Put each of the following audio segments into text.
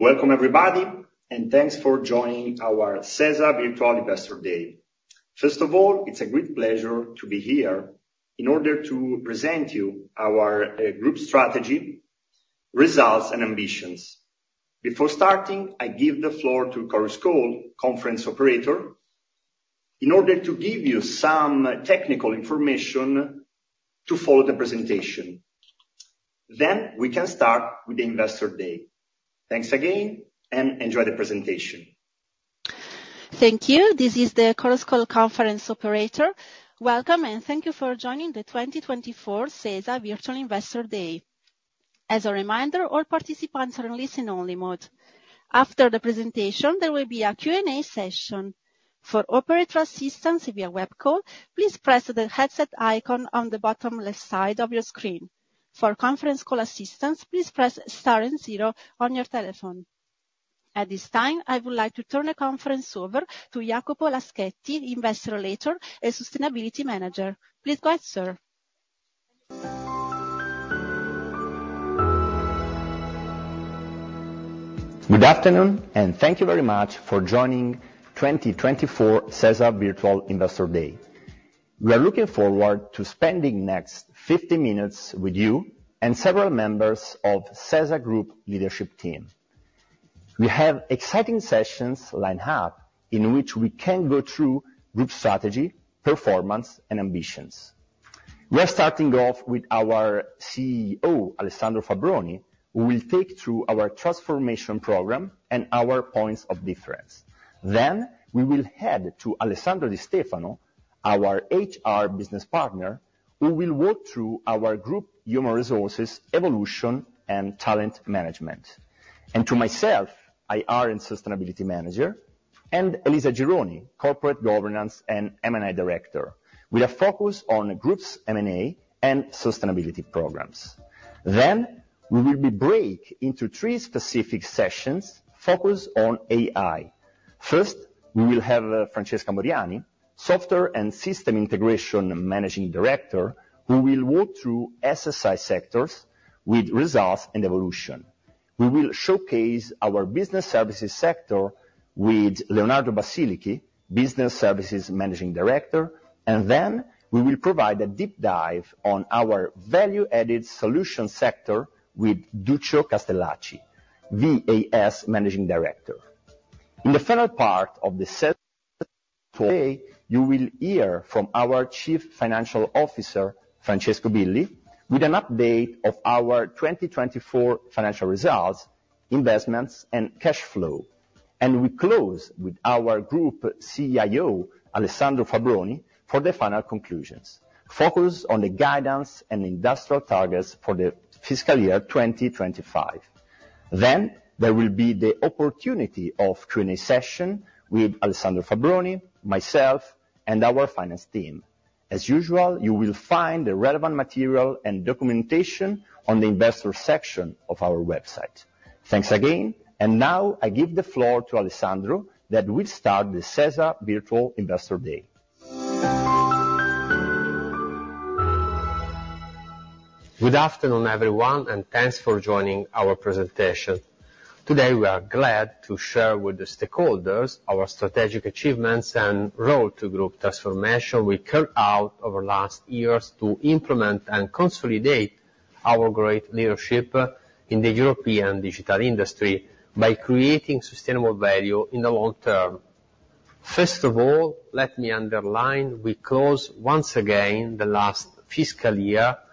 Welcome, everybody, and thanks for joining our Sesa Virtual Investor Day. First of all, it's a great pleasure to be here in order to present you our group strategy, results, and ambitions. Before starting, I give the floor to Chorus Call conference operator, in order to give you some technical information to follow the presentation. Then, we can start with the Investor Day. Thanks again, and enjoy the presentation. Thank you. This is the Chorus Call conference operator. Welcome, and thank you for joining the 2024 Sesa Virtual Investor Day. As a reminder, all participants are in listen-only mode. After the presentation, there will be a Q&A session. For operator assistance via web call, please press the headset icon on the bottom left side of your screen. For conference call assistance, please press star and zero on your telephone. At this time, I would like to turn the conference over to Jacopo Laschetti, Investor Relator and Sustainability Manager. Please go ahead, sir. Good afternoon, and thank you very much for joining 2024 Sesa Virtual Investor Day. We are looking forward to spending next 50 minutes with you and several members of Sesa Group leadership team. We have exciting sessions lined up, in which we can go through group strategy, performance, and ambitions. We are starting off with our CEO, Alessandro Fabbroni, who will take through our transformation program and our points of difference. Then, we will head to Alessandro Di Stefano, our HR Business Partner, who will walk through our group human resources, evolution, and talent management. And to myself, IR and Sustainability Manager, and Elisa Gironi, Corporate Governance and M&A Director. We are focused on the group's M&A and sustainability programs. Then, we will break into three specific sessions focused on AI. First, we will have, Francesca Moriani, Software and System Integration Managing Director, who will walk through SSI sectors with results and evolution. We will showcase our business services sector with Leonardo Bassilichi, Business Services Managing Director, and then we will provide a deep dive on our value-added solution sector with Duccio Castellacci, VAS Managing Director. In the final part of the session today, you will hear from our Chief Financial Officer, Francesco Billi, with an update of our 2024 Financial Results, Investments, and Cash Flow. We close with our group CEO, Alessandro Fabbroni, for the final conclusions, focused on the guidance and industrial targets for the fiscal year 2025. There will be the opportunity of Q&A session with Alessandro Fabbroni, myself, and our finance team. As usual, you will find the relevant material and documentation on the investor section of our website. Thanks again, and now I give the floor to Alessandro, that will start the Sesa Virtual Investor Day. Good afternoon, everyone, and thanks for joining our presentation. Today, we are glad to share with the stakeholders our strategic achievements and road to group transformation we carried out over last years to implement and consolidate our great leadership in the European digital industry by creating sustainable value in the long term. First of all, let me underline, we close once again the last fiscal year with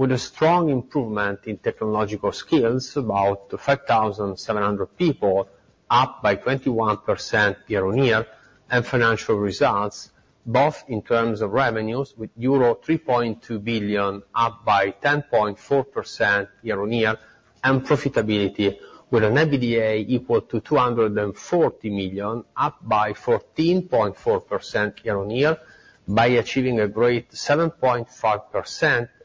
a strong improvement in technological skills, about 5,700 people, up by 21% year-on-year, and financial results, both in terms of revenues, with euro 3.2 billion, up by 10.4% year-on-year, and profitability, with an EBITDA equal to 240 million, up by 14.4% year-on-year, by achieving a great 7.5%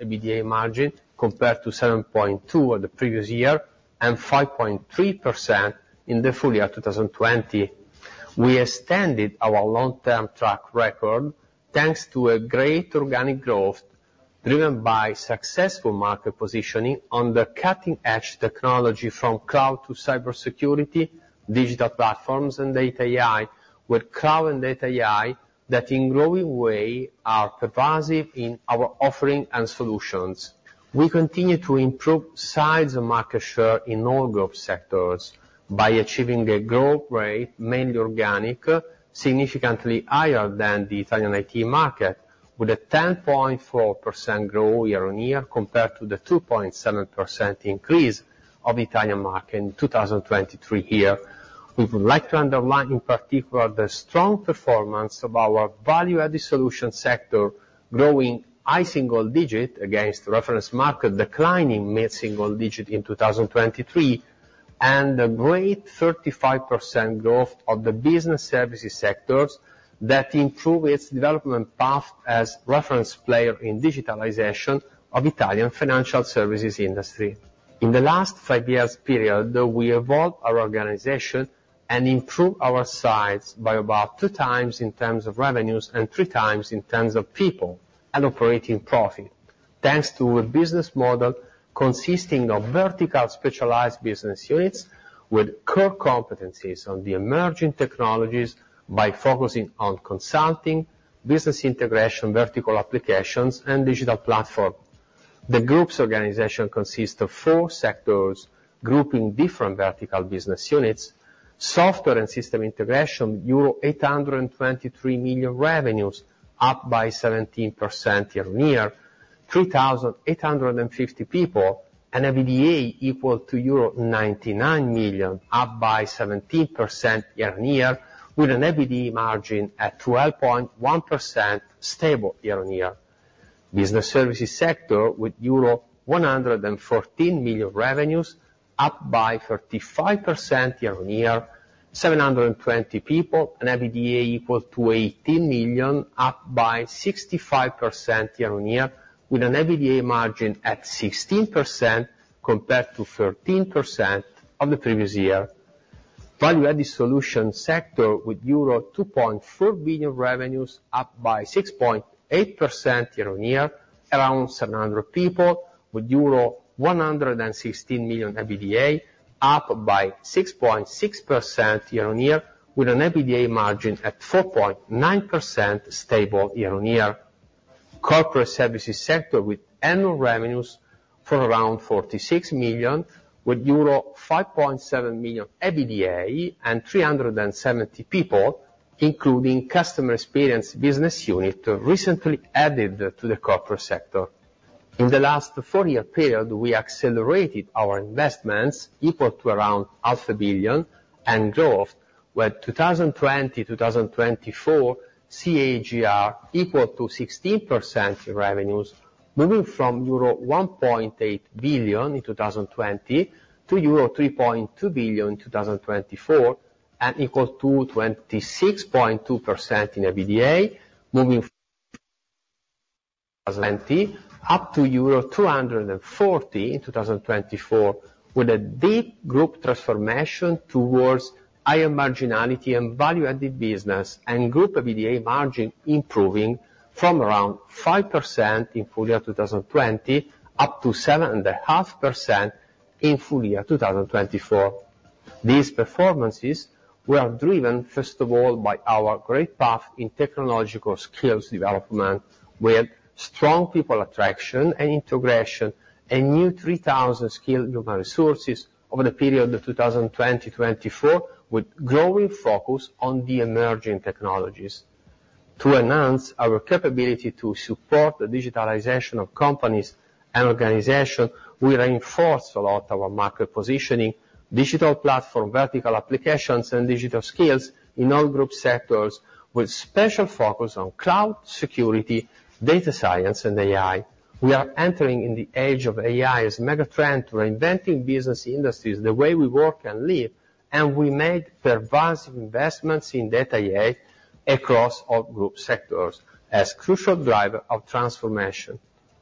EBITDA margin compared to 7.2 at the previous year, and 5.3% in the full year of 2020. We extended our long-term track record, thanks to a great organic growth driven by successful market positioning on the cutting-edge technology, from cloud to cybersecurity, digital platforms, and data AI, with cloud and data AI that in growing way are pervasive in our offering and solutions. We continue to improve size and market share in all group sectors by achieving a growth rate, mainly organic, significantly higher than the Italian IT market, with a 10.4% growth year-on-year, compared to the 2.7% increase of Italian market in 2023 year. We would like to underline, in particular, the strong performance of our value-added solution sector, growing high single digit against reference market, declining mid-single digit in 2023, and a great 35% growth of the business services sectors that improve its development path as reference player in digitalization of Italian financial services industry. In the last five years period, we evolved our organization and improved our size by about two times in terms of revenues and three times in terms of people and operating profit. Thanks to a business model consisting of vertical specialized business units, with core competencies on the emerging technologies, by focusing on consulting, business integration, vertical applications, and digital platform. The group's organization consists of four sectors, grouping different vertical business units, software and system integration, euro 823 million revenues, up by 17% year-on-year, 3,850 people, and EBITDA equal to euro 99 million, up by 17% year-on-year, with an EBITDA margin at 12.1%, stable year-on-year. Business services sector with euro 114 million revenues, up by 35% year-on-year, 720 people, an EBITDA equal to 18 million, up by 65% year-on-year, with an EBITDA margin at 16% compared to 13% of the previous year. Value-added solution sector with euro 2.4 billion revenues, up by 6.8% year-over-year, around 700 people, with euro 116 million EBITDA, up by 6.6% year-over-year, with an EBITDA margin at 4.9%, stable year-over-year. Corporate services sector with annual revenues from around 46 million, with euro 5.7 million EBITDA and 370 people, including customer experience business unit, recently added to the corporate sector. In the last four-year period, we accelerated our investments equal to around 500 million, and growth with 2020-2024 CAGR equal to 16% in revenues, moving from euro 1.8 billion in 2020 to euro 3.2 billion in 2024, and equal to 26.2% in EBITDA, moving up to euro 240 million in 2024, with a deep group transformation towards higher marginality and value-added business, and group EBITDA margin improving from around 5% in full year 2020, up to 7.5% in full year 2024. These performances were driven, first of all, by our great path in technological skills development, with strong people attraction and integration, and new 3,000 skilled human resources over the period of 2020-2024, with growing focus on the emerging technologies. To enhance our capability to support the digitalization of companies and organization, we reinforce a lot our market positioning, digital platform, vertical applications, and digital skills in all group sectors, with special focus on cloud security, data science, and AI. We are entering in the age of AI as mega trend, reinventing business industries, the way we work and live, and we made pervasive investments in data AI across all group sectors as crucial driver of transformation.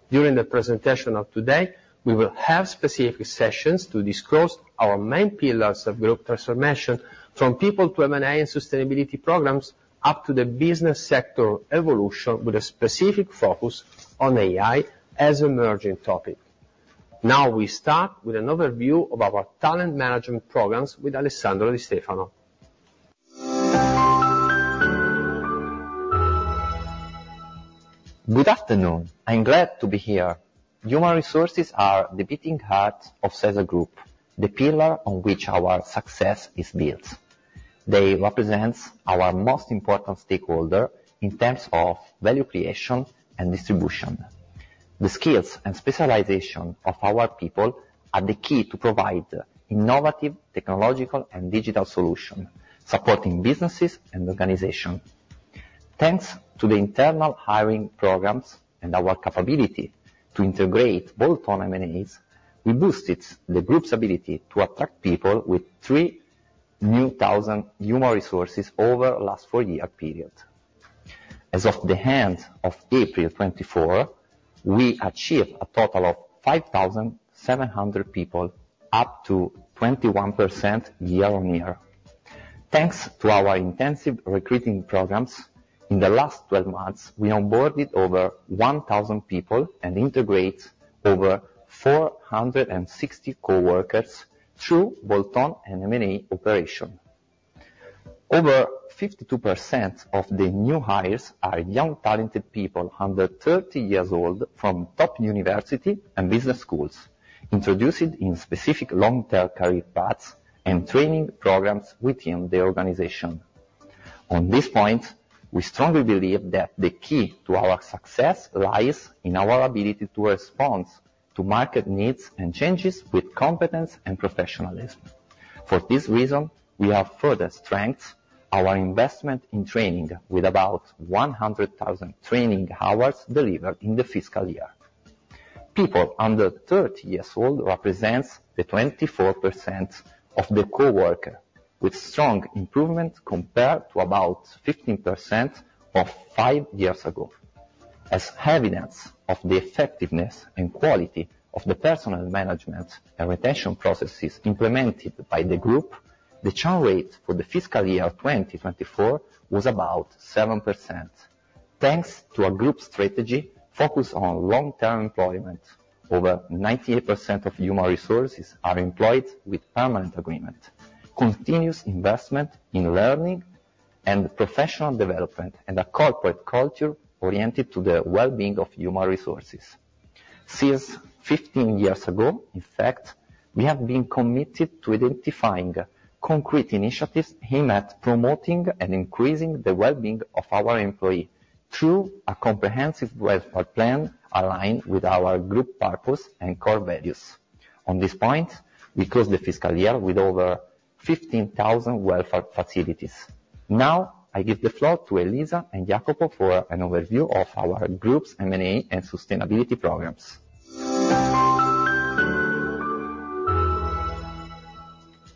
During the presentation of today, we will have specific sessions to discuss our main pillars of group transformation, from people to M&A and sustainability programs, up to the business sector evolution, with a specific focus on AI as an emerging topic. Now, we start with an overview of our talent management programs with Alessandro Di Stefano. Good afternoon. I'm glad to be here. Human resources are the beating heart of Sesa Group, the pillar on which our success is built. They represents our most important stakeholder in terms of value, creation, and distribution. The skills and specialization of our people are the key to provide innovative, technological, and digital solution, supporting businesses and organization. Thanks to the internal hiring programs and our capability to integrate both on M&As, we boosted the group's ability to attract people with 3,000 new human resources over the last four-year period. As of the end of April 2024, we achieved a total of 5,700 people, up 21% year-on-year. Thanks to our intensive recruiting programs, in the last 12 months, we onboarded over 1,000 people and integrated over 460 coworkers through bolt-on and M&A operation. Over 52% of the new hires are young, talented people under 30 years old from top university and business schools, introduced in specific long-term career paths and training programs within the organization. On this point, we strongly believe that the key to our success lies in our ability to respond to market needs and changes with competence and professionalism. For this reason, we have further strengthened our investment in training with about 100,000 training hours delivered in the fiscal year. People under 30 years old represents the 24% of the coworker, with strong improvement compared to about 15% of 5 years ago. As evidence of the effectiveness and quality of the personal management and retention processes implemented by the group. The churn rate for the fiscal year 2024 was about 7%. Thanks to our group strategy focused on long-term employment, over 98% of human resources are employed with permanent agreement, continuous investment in learning and professional development, and a corporate culture oriented to the well-being of human resources. Since 15 years ago, in fact, we have been committed to identifying concrete initiatives aimed at promoting and increasing the well-being of our employee through a comprehensive welfare plan aligned with our group purpose and core values. On this point, we closed the fiscal year with over 15,000 welfare facilities. Now, I give the floor to Elisa and Jacopo for an overview of our group's M&A and sustainability programs.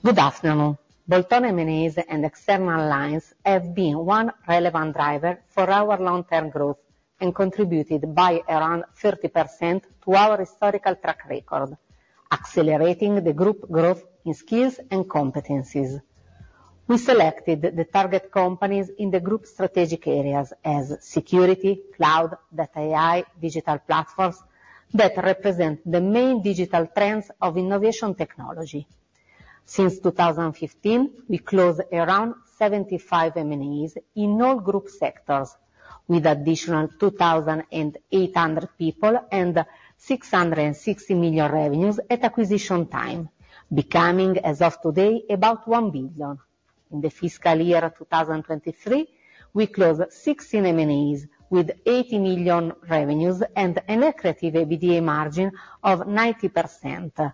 Good afternoon. Bolt-on M&As and external lines have been one relevant driver for our long-term growth, and contributed by around 30% to our historical track record, accelerating the group growth in skills and competencies. We selected the target companies in the group strategic areas as security, cloud, data AI, digital platforms, that represent the main digital trends of innovation technology. Since 2015, we closed around 75 M&As in all group sectors, with additional 2,800 people and 660 million revenues at acquisition time, becoming, as of today, about 1 billion. In the fiscal year 2023, we closed 16 M&As with 80 million revenues and an accretive EBITDA margin of 90%,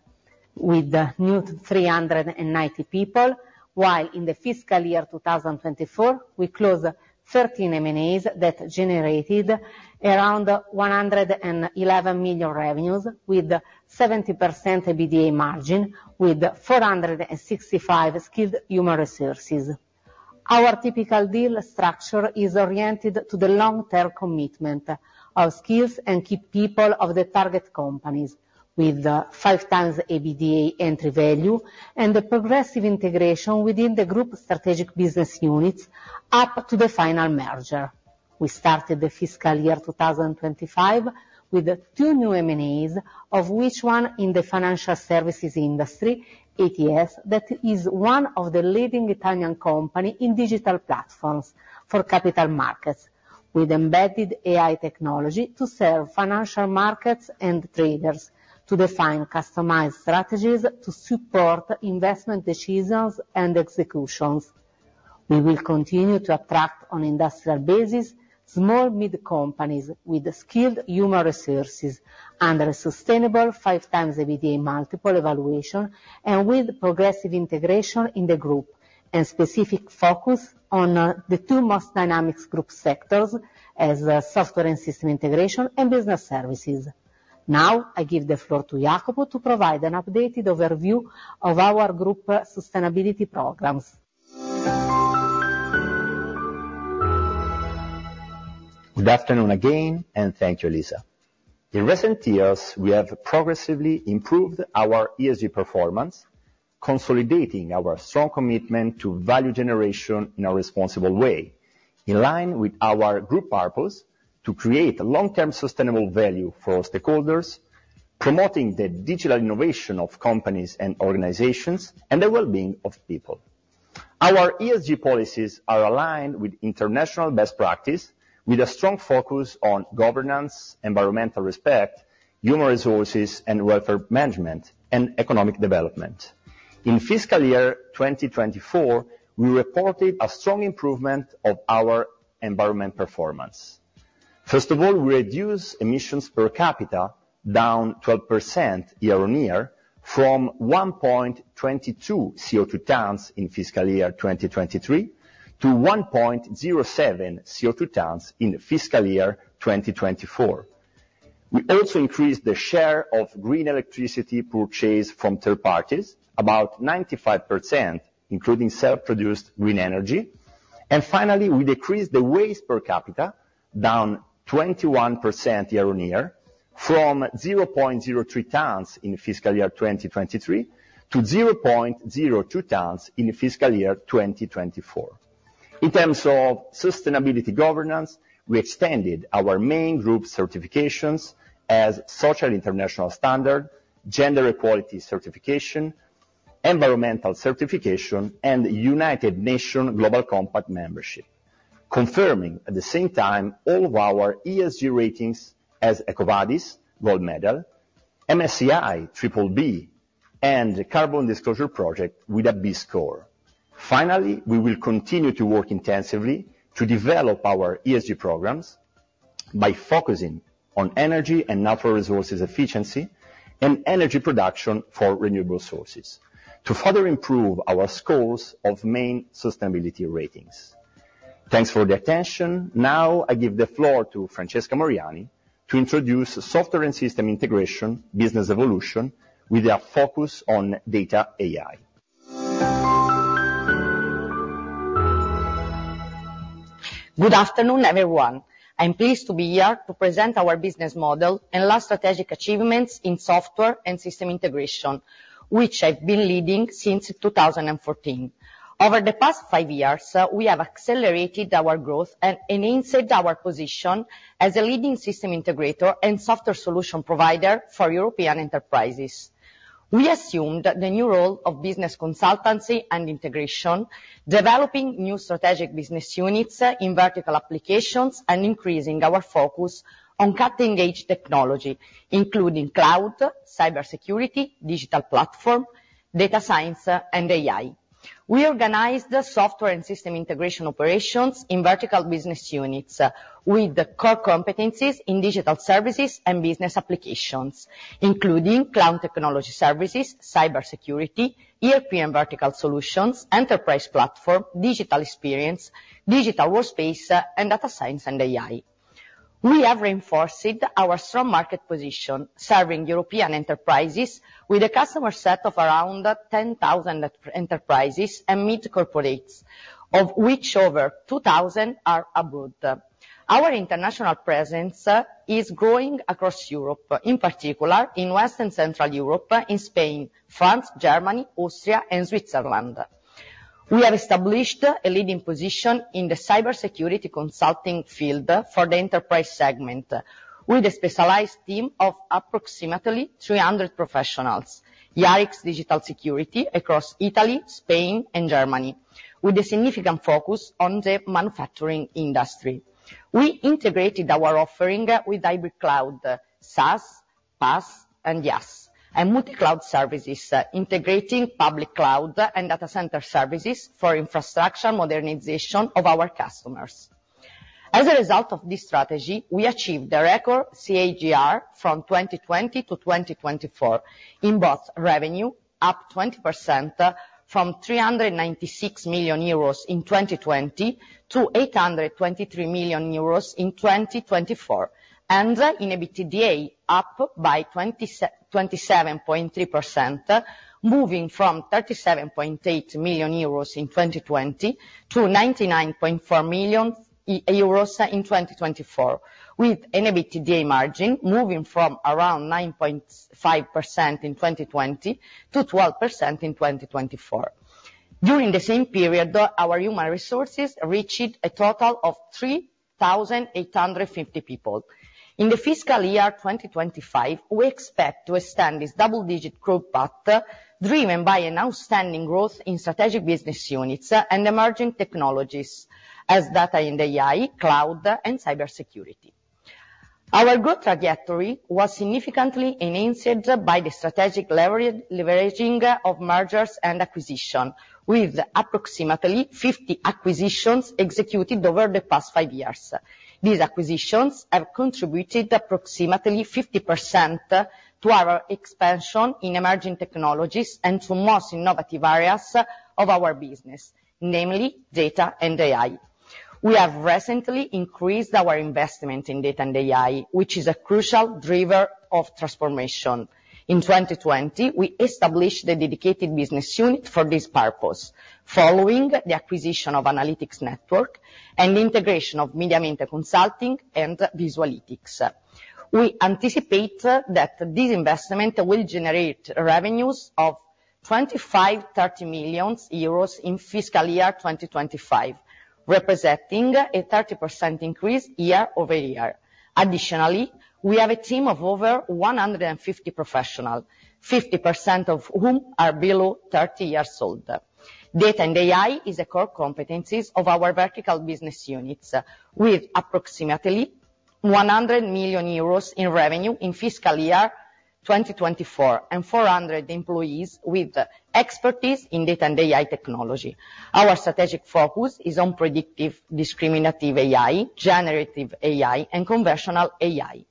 with new 390 people. While in the fiscal year 2024, we closed 13 M&As that generated around 111 million revenues, with 70% EBITDA margin, with 465 skilled human resources. Our typical deal structure is oriented to the long-term commitment of skills and key people of the target companies, with 5x EBITDA entry value and the progressive integration within the group strategic business units up to the final merger. We started the fiscal year 2025 with 2 new M&As, of which one in the financial services industry, ATS, that is one of the leading Italian company in digital platforms for capital markets, with embedded AI technology to serve financial markets and traders to define customized strategies to support investment decisions and executions. We will continue to attract, on industrial basis, small mid companies with skilled human resources under a sustainable 5x EBITDA multiple evaluation, and with progressive integration in the group, and specific focus on, the two most dynamic group sectors as, software and system integration, and business services. Now, I give the floor to Jacopo to provide an updated overview of our group, sustainability programs. Good afternoon again, and thank you, Elisa. In recent years, we have progressively improved our ESG performance, consolidating our strong commitment to value generation in a responsible way, in line with our group purpose: to create long-term sustainable value for stakeholders, promoting the digital innovation of companies and organizations, and the well-being of people. Our ESG policies are aligned with international best practice, with a strong focus on governance, environmental respect, human resources, and welfare management, and economic development. In fiscal year 2024, we reported a strong improvement of our environmental performance. First of all, we reduced emissions per capita, down 12% year-on-year, from 1.22 CO2 tons in fiscal year 2023, to 1.07 CO2 tons in the fiscal year 2024. We also increased the share of green electricity purchased from third parties, about 95%, including self-produced green energy. Finally, we decreased the waste per capita, down 21% year-on-year, from 0.03 tons in fiscal year 2023, to 0.02 tons in the fiscal year 2024. In terms of sustainability governance, we extended our main group certifications as Social International Standard, Gender Equality Certification, Environmental Certification, and United Nations Global Compact Membership, confirming, at the same time, all of our ESG ratings as EcoVadis Gold Medal, MSCI Triple B, and the Carbon Disclosure Project with a B score. Finally, we will continue to work intensively to develop our ESG programs by focusing on energy and natural resources efficiency, and energy production for renewable sources, to further improve our scores of main sustainability ratings. Thanks for the attention. Now, I give the floor to Francesca Moriani to introduce software and system integration, business evolution, with a focus on data AI. Good afternoon, everyone. I'm pleased to be here to present our business model and last strategic achievements in Software and System Integration, which I've been leading since 2014. Over the past five years, we have accelerated our growth and enhanced our position as a leading system integrator and software solution provider for European enterprises. We assumed the new role of business consultancy and integration, developing new strategic business units in vertical applications, and increasing our focus on cutting-edge technology, including cloud, cybersecurity, digital platform, data science, and AI. We organized the Software and System Integration operations in vertical business units, with the core competencies in digital services and business applications, including cloud technology services, cybersecurity, ERP and vertical solutions, enterprise platform, digital experience, digital workspace, and data science and AI. We have reinforced our strong market position, serving European enterprises with a customer set of around 10,000 enterprises and mid corporates, of which over 2,000 are abroad. Our international presence is growing across Europe, in particular in West and Central Europe, in Spain, France, Germany, Austria, and Switzerland. We have established a leading position in the cybersecurity consulting field for the enterprise segment, with a specialized team of approximately 300 professionals, Yarix Digital Security, across Italy, Spain, and Germany, with a significant focus on the manufacturing industry. We integrated our offering with hybrid cloud, SaaS, PaaS, and DaaS, and multi-cloud services, integrating public cloud and data center services for infrastructure modernization of our customers. As a result of this strategy, we achieved a record CAGR from 2020 to 2024, in both revenue, up 20% from 396 million euros in 2020 to 823 million euros in 2024. In EBITDA, up by 27.3%, moving from 37.8 million euros in 2020 to 99.4 million euros in 2024, with EBITDA margin moving from around 9.5% in 2020 to 12% in 2024. During the same period, though, our human resources reached a total of 3,850 people. In the fiscal year 2025, we expect to extend this double-digit growth path, driven by an outstanding growth in strategic business units and emerging technologies, as data and AI, cloud, and cybersecurity. Our growth trajectory was significantly enhanced by the strategic leveraging of mergers and acquisition, with approximately 50 acquisitions executed over the past 5 years. These acquisitions have contributed approximately 50% to our expansion in emerging technologies and to most innovative areas of our business, namely data and AI. We have recently increased our investment in data and AI, which is a crucial driver of transformation. In 2020, we established a dedicated business unit for this purpose, following the acquisition of Analytics Network and integration of MediaMente Consulting and Visualitics. We anticipate that this investment will generate revenues of 25-30 million euros in fiscal year 2025, representing a 30% increase year-over-year. Additionally, we have a team of over 150 professionals, 50% of whom are below 30 years old. Data and AI is a core competencies of our vertical business units, with approximately 100 million euros in revenue in fiscal year 2024, and 400 employees with expertise in data and AI technology. Our strategic focus is on predictive, discriminative AI, generative AI, and conversational AI.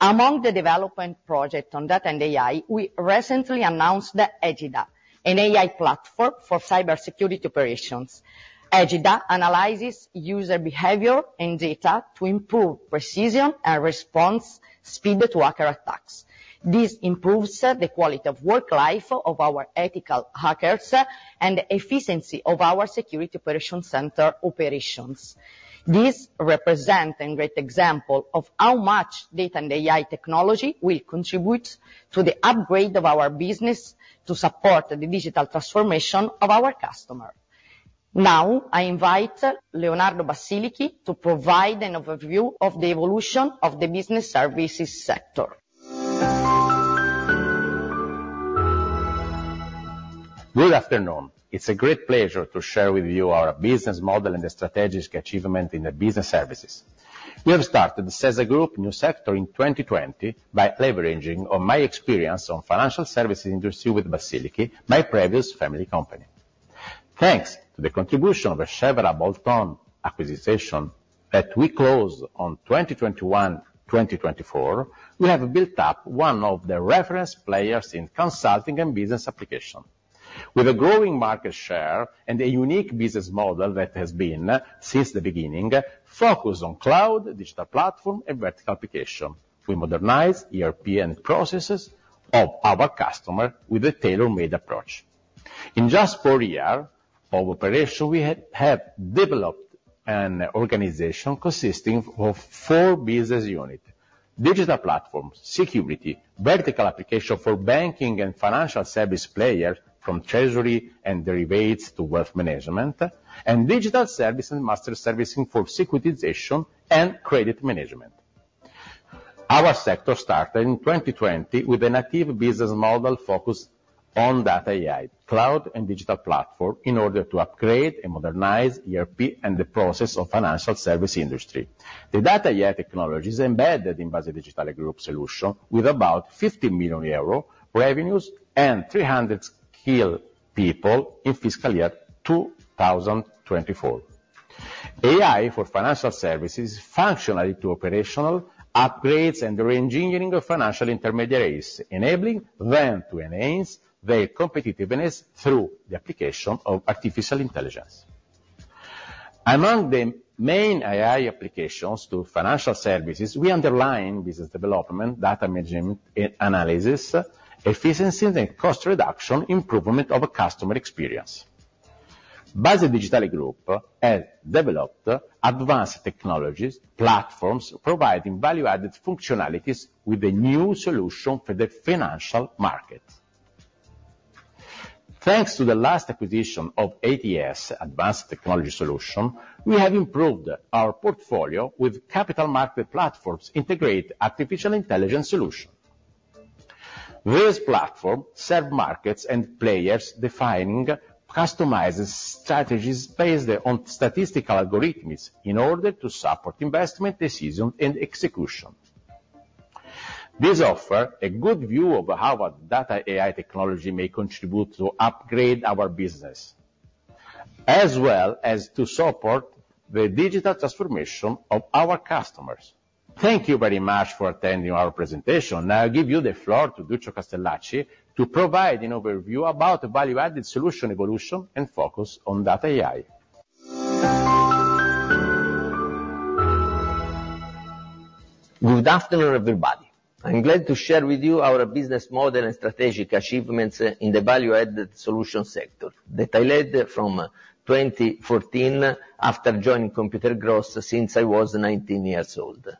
Among the development project on data and AI, we recently announced the Egida, an AI platform for cybersecurity operations. Egida analyzes user behavior and data to improve precision and response speed to hacker attacks. This improves, the quality of work life of our ethical hackers, and efficiency of our security operation center operations. This represent a great example of how much data and AI technology will contribute to the upgrade of our business to support the digital transformation of our customer. Now, I invite Leonardo Bassilichi to provide an overview of the evolution of the business services sector. Good afternoon. It's a great pleasure to share with you our business model and the strategic achievement in the business services. We have started, as a group, a new sector in 2020 by leveraging on my experience in the financial services industry with Bassilichi, my previous family company. Thanks to the contribution of several bolt-on acquisitions that we closed in 2021, 2024, we have built up one of the reference players in consulting and business applications. With a growing market share and a unique business model that has been, since the beginning, focused on cloud, digital platform, and vertical application, we modernize ERP and processes of our customers with a tailor-made approach. In just 4 years of operation, we have developed an organization consisting of 4 business units: digital platforms, security, vertical applications for banking and financial services players from treasury and derivatives to wealth management, and digital services and master servicing for securitization and credit management. Our sector started in 2020 with an active business model focused on data AI, cloud and digital platforms, in order to upgrade and modernize ERP and the processes of financial services industry. The data AI technology is embedded in Base Digitale Group solutions, with about 50 million euro revenues and 300 skilled people in fiscal year 2024. AI for financial services functional to operational upgrades and reengineering of financial intermediaries, enabling them to enhance their competitiveness through the application of artificial intelligence. Among the main AI applications to financial services, we underline business development, data management and analysis, efficiency and cost reduction, improvement of customer experience. Base Digitale Group have developed advanced technologies, platforms providing value-added functionalities with a new solution for the financial market. Thanks to the last acquisition of ATS, Advanced Technology Solutions, we have improved our portfolio with capital market platforms, integrate artificial intelligence solution. This platform serve markets and players defining customized strategies based on statistical algorithms in order to support investment decision and execution. This offer a good view of how our data AI technology may contribute to upgrade our business, as well as to support the digital transformation of our customers. Thank you very much for attending our presentation. Now I give you the floor to Duccio Castellacci to provide an overview about value-added solution evolution and focus on data AI. Good afternoon, everybody. I'm glad to share with you our business model and strategic achievements in the value-added solution sector that I led from 2014, after joining Computer Gross since I was 19 years old.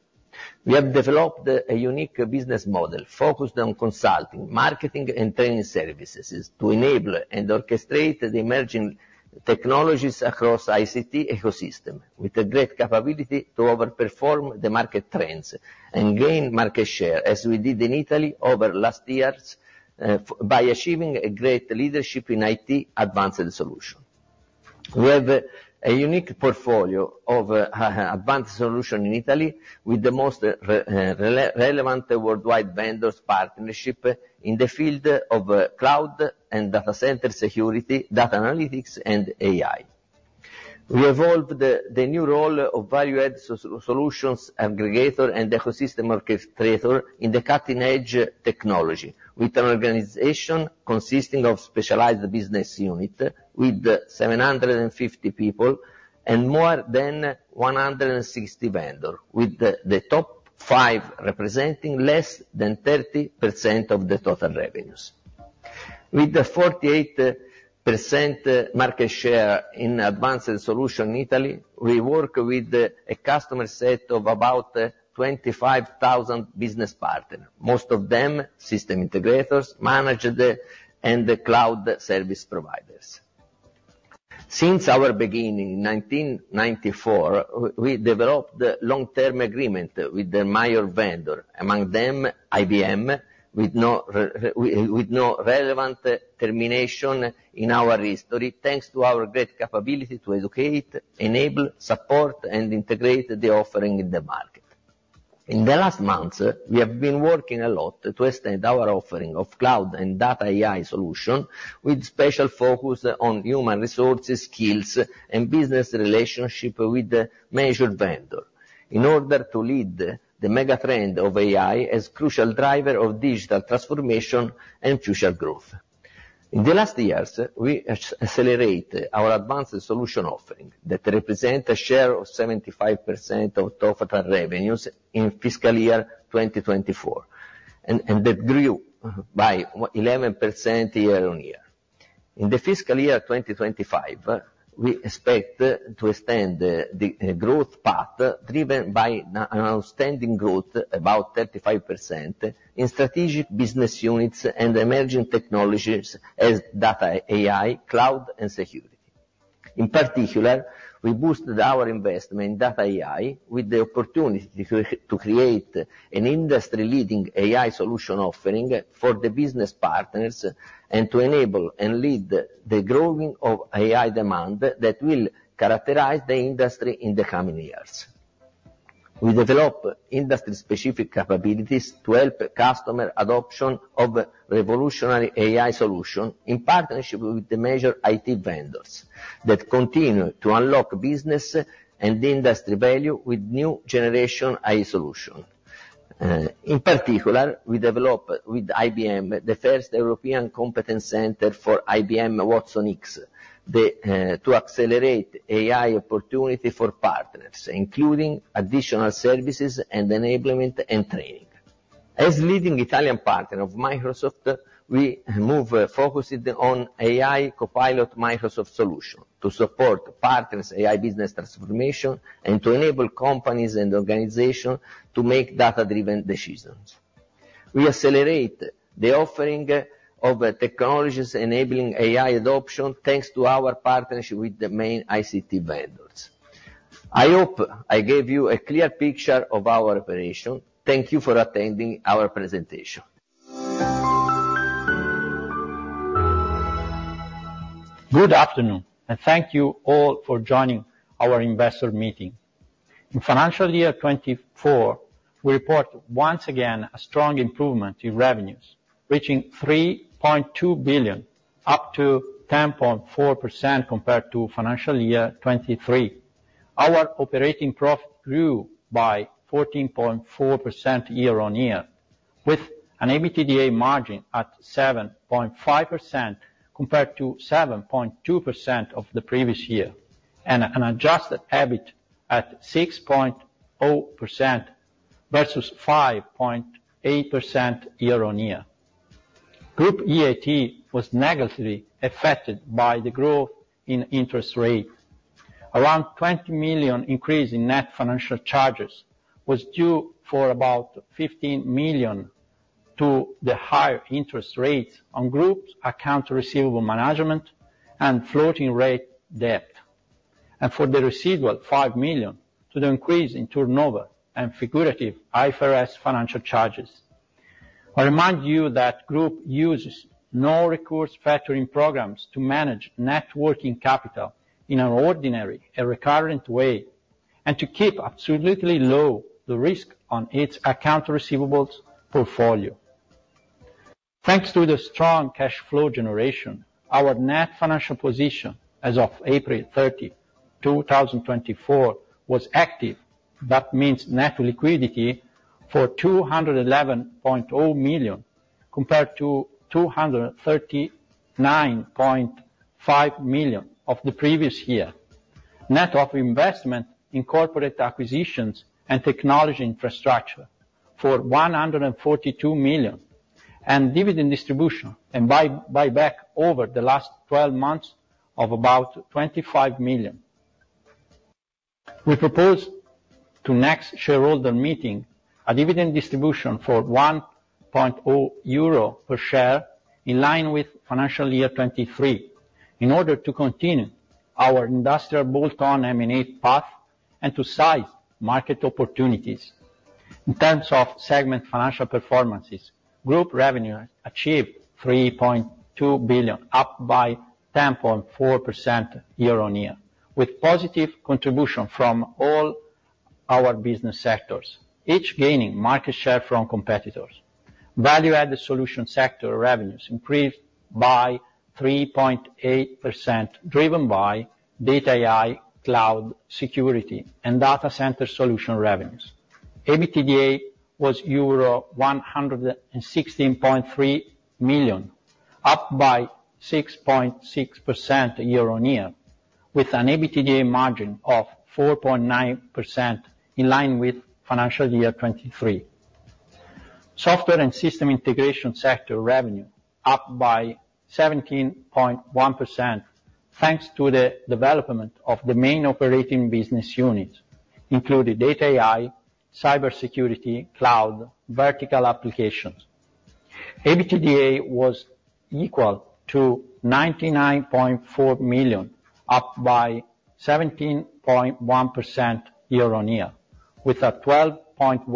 We have developed a unique business model focused on consulting, marketing, and training services to enable and orchestrate the emerging technologies across ICT ecosystem, with a great capability to overperform the market trends and gain market share, as we did in Italy over last years, by achieving a great leadership in IT advanced solution. We have a unique portfolio of advanced solution in Italy, with the most relevant worldwide vendors partnership in the field of cloud and data center security, data analytics, and AI. We evolved the new role of value-added solutions aggregator and ecosystem orchestrator in the cutting-edge technology, with an organization consisting of specialized business unit, with 750 people and more than 160 vendors, with the top five representing less than 30% of the total revenues. With the 48% market share in advanced solutions in Italy, we work with a customer set of about 25,000 business partners, most of them system integrators, managers, and the cloud service providers. Since our beginning in 1994, we developed long-term agreements with the major vendors, among them IBM, with no relevant termination in our history, thanks to our great capability to educate, enable, support, and integrate the offering in the market. In the last months, we have been working a lot to extend our offering of cloud and data AI solution, with special focus on human resources, skills, and business relationship with the major vendor, in order to lead the mega trend of AI as crucial driver of digital transformation and future growth. In the last years, we accelerate our advanced solution offering, that represent a share of 75% of total revenues in fiscal year 2024, and that grew by 11% year-on-year. In the fiscal year 2025, we expect to extend the growth path, driven by an outstanding growth, about 35%, in strategic business units and emerging technologies as data AI, cloud, and security. In particular, we boosted our investment in Data AI with the opportunity to create an industry-leading AI solution offering for the business partners, and to enable and lead the growing of AI demand that will characterize the industry in the coming years. We develop industry-specific capabilities to help customer adoption of revolutionary AI solution in partnership with the major IT vendors, that continue to unlock business and industry value with new generation AI solution. In particular, we develop with IBM the first European competence center for IBM watsonx to accelerate AI opportunity for partners, including additional services and enablement and training. As leading Italian partner of Microsoft, we move, focused on AI Copilot Microsoft solution to support partners' AI business transformation, and to enable companies and organizations to make data-driven decisions. We accelerate the offering of, technologies enabling AI adoption, thanks to our partnership with the main ICT vendors. I hope I gave you a clear picture of our operation. Thank you for attending our presentation. Good afternoon, and thank you all for joining our investor meeting. In financial year 2024, we report once again a strong improvement in revenues, reaching 3.2 billion, up 10.4% compared to financial year 2023. Our operating profit grew by 14.4% year-on-year, with an EBITDA margin at 7.5%, compared to 7.2% of the previous year, and an adjusted EBIT at 6.0%, versus 5.8% year-on-year. Group EAT was negatively affected by the growth in interest rate. Around 20 million increase in net financial charges was due for about 15 million to the higher interest rates on Group's account receivable management and floating rate debt. For the receivable, 5 million, to the increase in turnover and figurative IFRS financial charges. I remind you that Group uses no-recourse factoring programs to manage net working capital in an ordinary and recurrent way, and to keep absolutely low the risk on its account receivables portfolio. Thanks to the strong cash flow generation, our net financial position as of April 30, 2024, was active. That means net liquidity of 211.0 million, compared to 239.5 million of the previous year. Net of investment in corporate acquisitions and technology infrastructure for 142 million, and dividend distribution, and buyback over the last twelve months of about 25 million. We propose to next shareholder meeting, a dividend distribution for 1.0 euro per share, in line with financial year 2023, in order to continue our industrial bolt-on M&A path and to size market opportunities. In terms of segment financial performances, group revenue achieved 3.2 billion, up by 10.4% year-on-year, with positive contribution from all our business sectors, each gaining market share from competitors. Value-Added Solutions sector revenues increased by 3.8%, driven by Data AI, cloud security, and data center solution revenues. EBITDA was euro 116.3 million, up by 6.6% year-on-year, with an EBITDA margin of 4.9%, in line with financial year 2023. Software and System Integration sector revenue up by 17.1%, thanks to the development of the main operating business units, including Data AI, cybersecurity, cloud, vertical applications. EBITDA was equal to 99.4 million, up by 17.1% year-on-year, with a 12.1%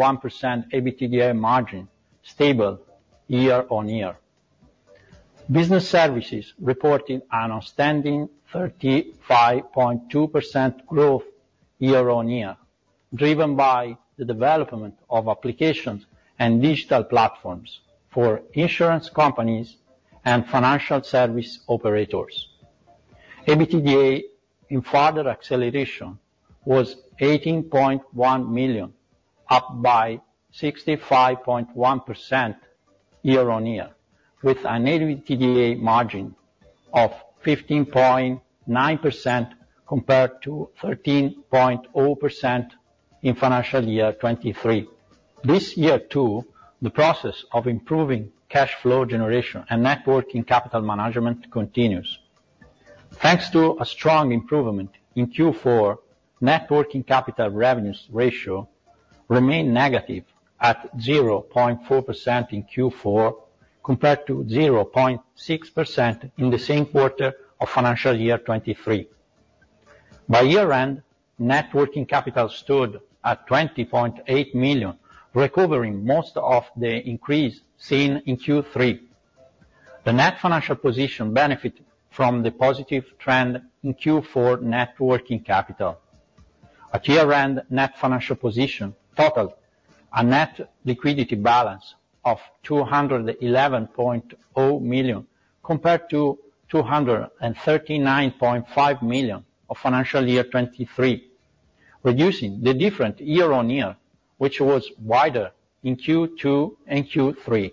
EBITDA margin, stable year-on-year. Business Services reported an outstanding 35.2% growth year-on-year, driven by the development of applications and digital platforms for insurance companies and financial service operators. EBITDA, in further acceleration, was 18.1 million, up by 65.1% year-on-year, with an EBITDA margin of 15.9%, compared to 13.0% in financial year 2023. This year, too, the process of improving cash flow generation and net working capital management continues. Thanks to a strong improvement in Q4, net working capital revenues ratio remained negative at 0.4% in Q4, compared to 0.6% in the same quarter of financial year 2023. By year-end, net working capital stood at 20.8 million, recovering most of the increase seen in Q3. The net financial position benefited from the positive trend in Q4 net working capital. At year-end, net financial position totaled a net liquidity balance of 211.0 million, compared to 239.5 million of financial year 2023, reducing the difference year-on-year, which was wider in Q2 and Q3.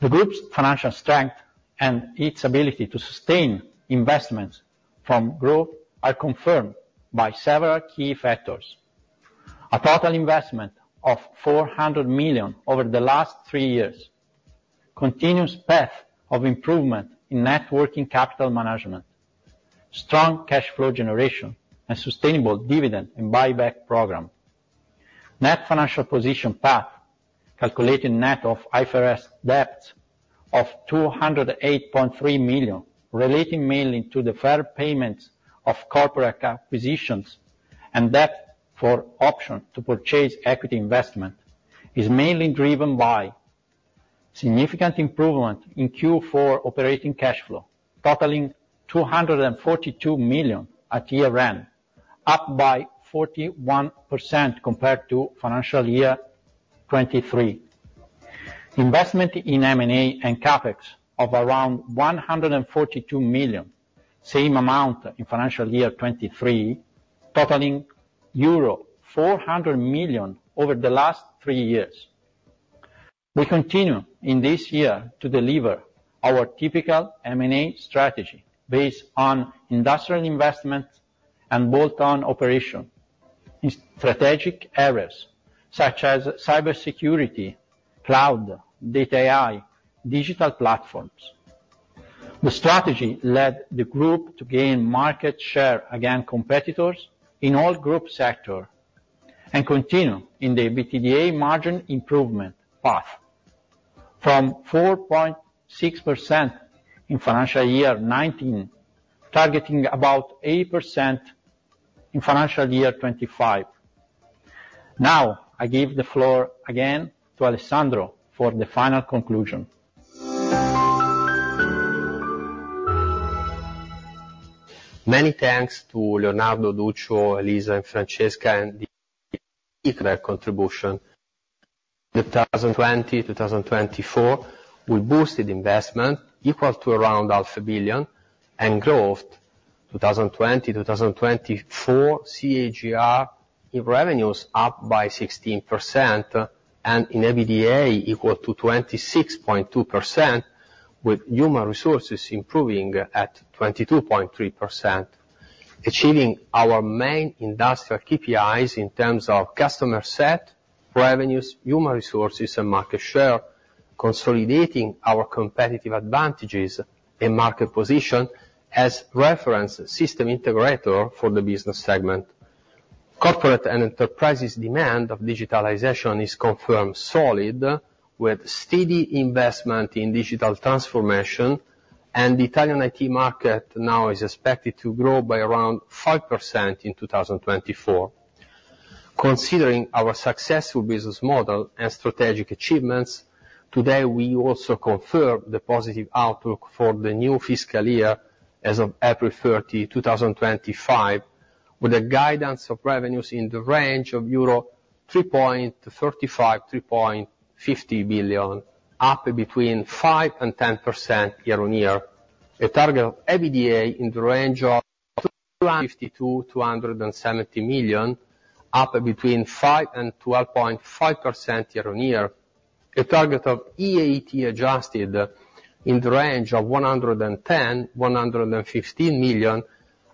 The group's financial strength and its ability to sustain investments for growth are confirmed by several key factors: a total investment of 400 million over the last three years, continuous path of improvement in net working capital management, strong cash flow generation, and sustainable dividend and buyback program. Net financial position path, calculating net of IFRS debts of 208.3 million, relating mainly to the fair payments of corporate acquisitions, and debt for option to purchase equity investment, is mainly driven by significant improvement in Q4 operating cash flow, totaling 242 million at year end, up by 41% compared to financial year 2023. Investment in M&A and CapEx of around 142 million, same amount in financial year 2023, totaling euro 400 million over the last three years. We continue, in this year, to deliver our typical M&A strategy based on industrial investment and bolt-on operation in strategic areas such as cybersecurity, cloud, data AI, digital platforms. The strategy led the group to gain market share against competitors in all group sector, and continue in the EBITDA margin improvement path from 4.6% in financial year 2019, targeting about 8% in financial year 2025. Now, I give the floor again to Alessandro for the final conclusion. Many thanks to Leonardo, Duccio, Elisa, and Francesca, and the contribution. 2020-2024, we boosted investment equal to around 500 million, and growth 2020-2024 CAGR in revenues up by 16%, and in EBITDA equal to 26.2%, with human resources improving at 22.3%. Achieving our main industrial KPIs in terms of customer set, revenues, human resources, and market share, consolidating our competitive advantages and market position as reference system integrator for the business segment. Corporate and enterprises demand of digitalization is confirmed solid, with steady investment in digital transformation, and the Italian IT market now is expected to grow by around 5% in 2024. Considering our successful business model and strategic achievements, today, we also confirm the positive outlook for the new fiscal year as of April 30, 2025, with a guidance of revenues in the range of euro 3.35-3.50 billion, up between 5%-10% year-on-year. A target of EBITDA in the range of 252-270 million, up between 5%-12.5% year-on-year. A target of EAT adjusted in the range of 110-115 million,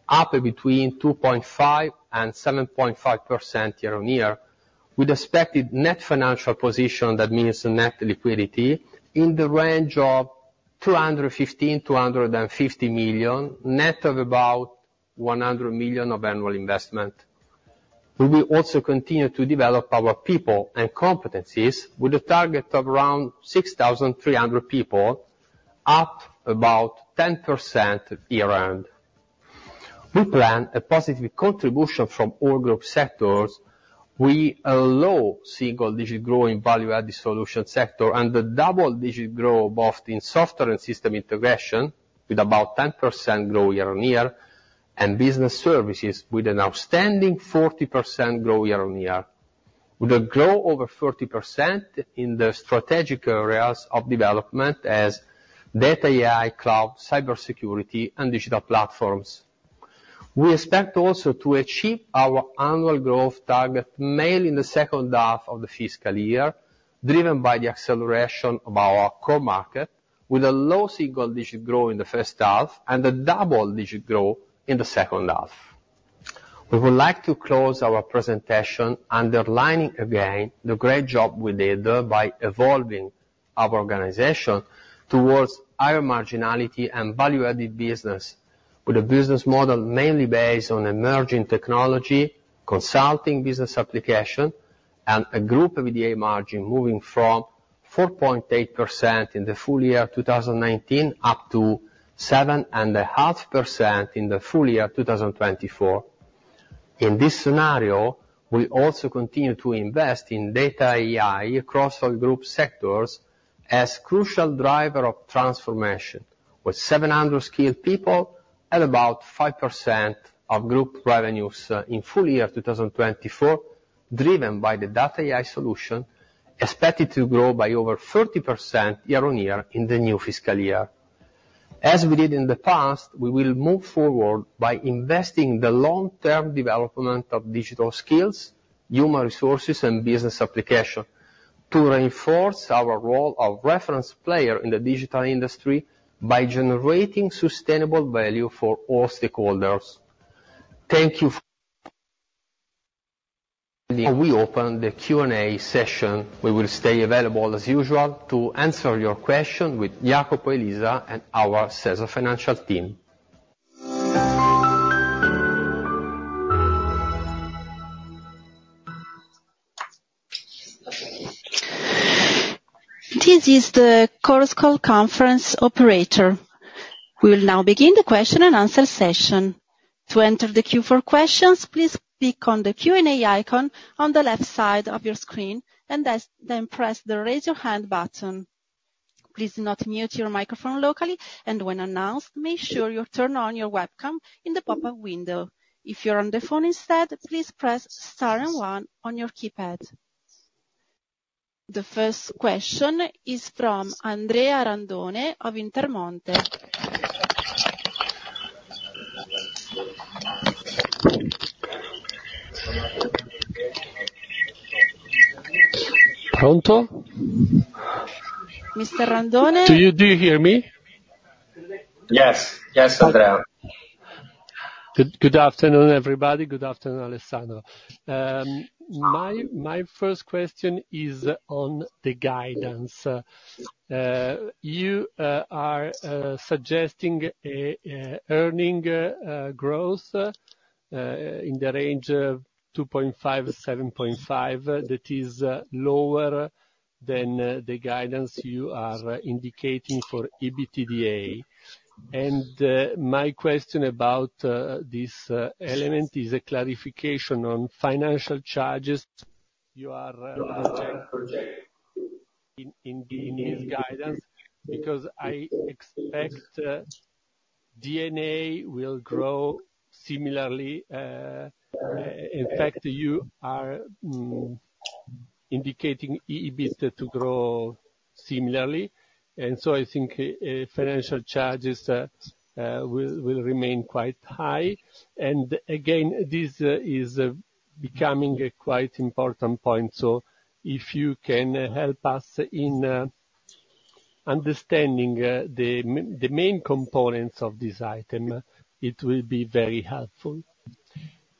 up between 2.5%-7.5% year-on-year, with expected net financial position, that means the net liquidity, in the range of 215-250 million, net of about 100 million of annual investment. We will also continue to develop our people and competencies with a target of around 6,300 people, up about 10% year-end. We plan a positive contribution from all group sectors. We allow single-digit growth in value-added solution sector, and the double-digit growth, both in software and system integration, with about 10% growth year-on-year, and business services with an outstanding 40% growth year-on-year, with a growth over 30% in the strategic areas of development as data AI, cloud, cybersecurity, and digital platforms. We expect also to achieve our annual growth target, mainly in the second half of the fiscal year, driven by the acceleration of our core market, with a low single-digit growth in the first half and a double-digit growth in the second half. We would like to close our presentation underlining again the great job we did by evolving our organization towards higher marginality and value-added business, with a business model mainly based on emerging technology, consulting business application, and a group EBITDA margin moving from 4.8% in the full year of 2019, up to 7.5% in the full year of 2024. In this scenario, we also continue to invest in data AI across all group sectors as crucial driver of transformation, with 700 skilled people at about 5% of group revenues in full year 2024, driven by the data AI solution, expected to grow by over 30% year-on-year in the new fiscal year. As we did in the past, we will move forward by investing in the long-term development of digital skills, human resources, and business application, to reinforce our role of reference player in the digital industry by generating sustainable value for all stakeholders. Thank you. We open the Q&A session. We will stay available, as usual, to answer your question with Jacopo, Elisa, and our Sesa financial team. This is the Chorus Call conference operator. We will now begin the question and answer session. To enter the queue for questions, please click on the Q&A icon on the left side of your screen and then press the Raise Your Hand button. Please do not mute your microphone locally, and when announced, make sure you turn on your webcam in the pop-up window. If you're on the phone instead, please press star and one on your keypad. The first question is from Andrea Randone of Intermonte. Pronto? Mr. Randone? Do you, do you hear me? Yes. Yes, Andrea. Good afternoon, everybody. Good afternoon, Alessandro. My first question is on the guidance. You are suggesting an earnings growth in the range of 2.5-7.5. That is lower than the guidance you are indicating for EBITDA. My question about this element is a clarification on financial charges you are in this guidance, because I expect D&A will grow similarly. In fact, you are indicating EBITDA to grow similarly, and so I think financial charges will remain quite high. Again, this is becoming a quite important point, so if you can help us in understanding the main components of this item, it will be very helpful.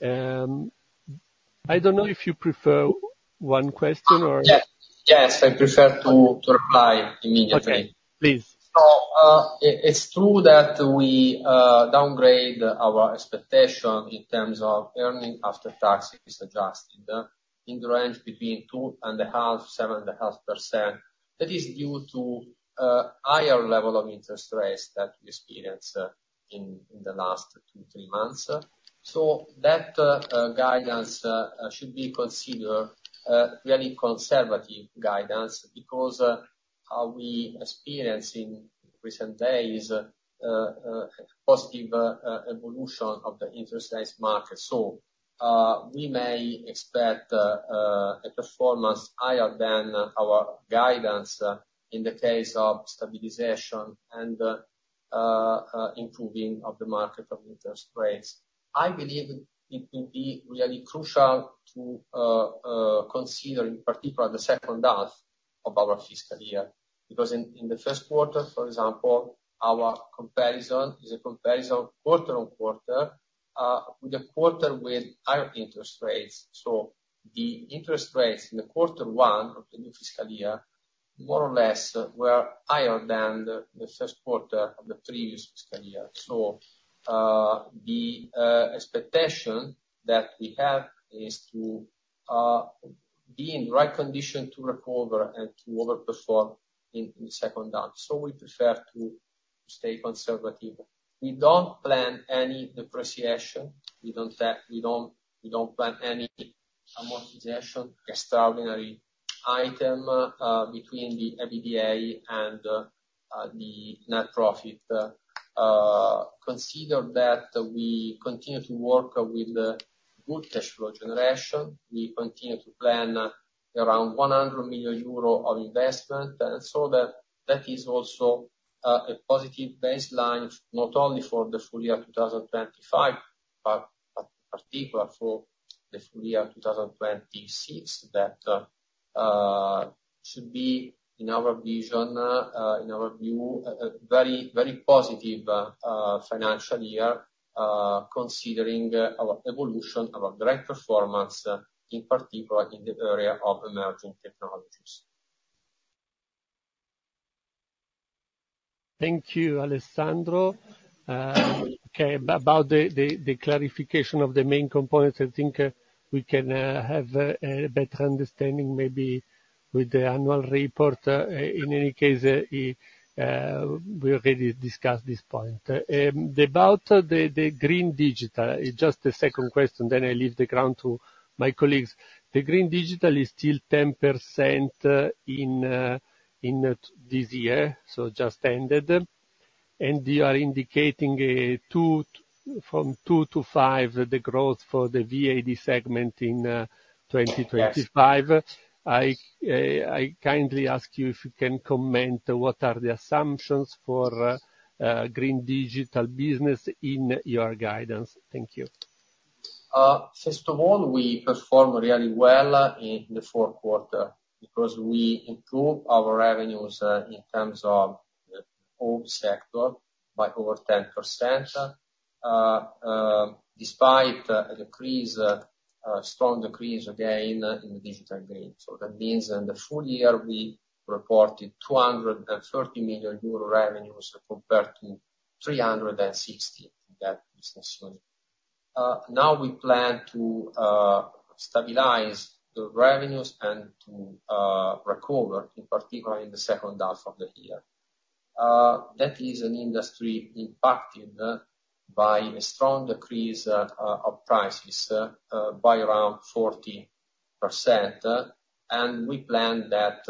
I don't know if you prefer one question or- Yes, yes, I prefer to reply immediately. Okay, please. So, it's true that we downgrade our expectation in terms of earning after tax is adjusted in the range between 2.5-7.5%. That is due to higher level of interest rates that we experienced in the last two, three months. So that guidance should be considered very conservative guidance because how we experience in recent days positive evolution of the interest rates market. So, we may expect a performance higher than our guidance in the case of stabilization and improving of the market of interest rates. I believe it will be really crucial to consider, in particular, the second half of our fiscal year, because in the first quarter, for example, our comparison is a comparison quarter-on-quarter with a quarter with higher interest rates. So the interest rates in quarter one of the new fiscal year, more or less, were higher than the first quarter of the previous fiscal year. So the expectation that we have is to be in right condition to recover and to overperform in the second half. So we prefer to stay conservative. We don't plan any depreciation. We don't plan any amortization, extraordinary item between the EBITDA and the net profit. Consider that we continue to work with good cash flow generation. We continue to plan around 100 million euro of investment, and so that is also a positive baseline, not only for the full year of 2025, but in particular for the full year of 2026. That should be, in our vision, in our view, a very, very positive financial year, considering our evolution, our direct performance, in particular in the area of emerging technologies. Thank you, Alessandro. Okay, about the clarification of the main components, I think we can have a better understanding maybe with the annual report. In any case, we already discussed this point. About the Green Digital, just a second question, then I leave the ground to my colleagues. The Green Digital is still 10% in this year, so just ended. And you are indicating a 2-5, the growth for the VAD segment in 2025. Yes. I kindly ask you if you can comment what are the assumptions for Green Digital business in your guidance? Thank you. First of all, we performed really well in the fourth quarter, because we improved our revenues in terms of all sectors by over 10%, despite the decrease, a strong decrease, again, in the Digital Green. So that means in the full year, we reported 230 million euro revenues compared to 360 million in that business unit. Now we plan to stabilize the revenues and to recover, in particular in the second half of the year. That is an industry impacted by a strong decrease of prices by around 40%, and we plan that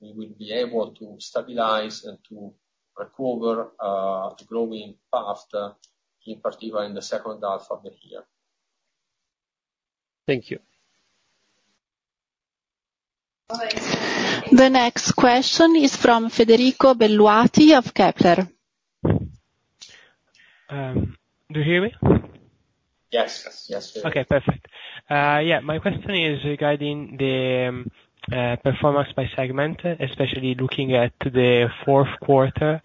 we will be able to stabilize and to recover the growing path, in particular in the second half of the year. Thank you. The next question is from Federico Belluati of Kepler. Do you hear me? Yes. Yes, yes. Okay, perfect. Yeah, my question is regarding the performance by segment, especially looking at the fourth quarter.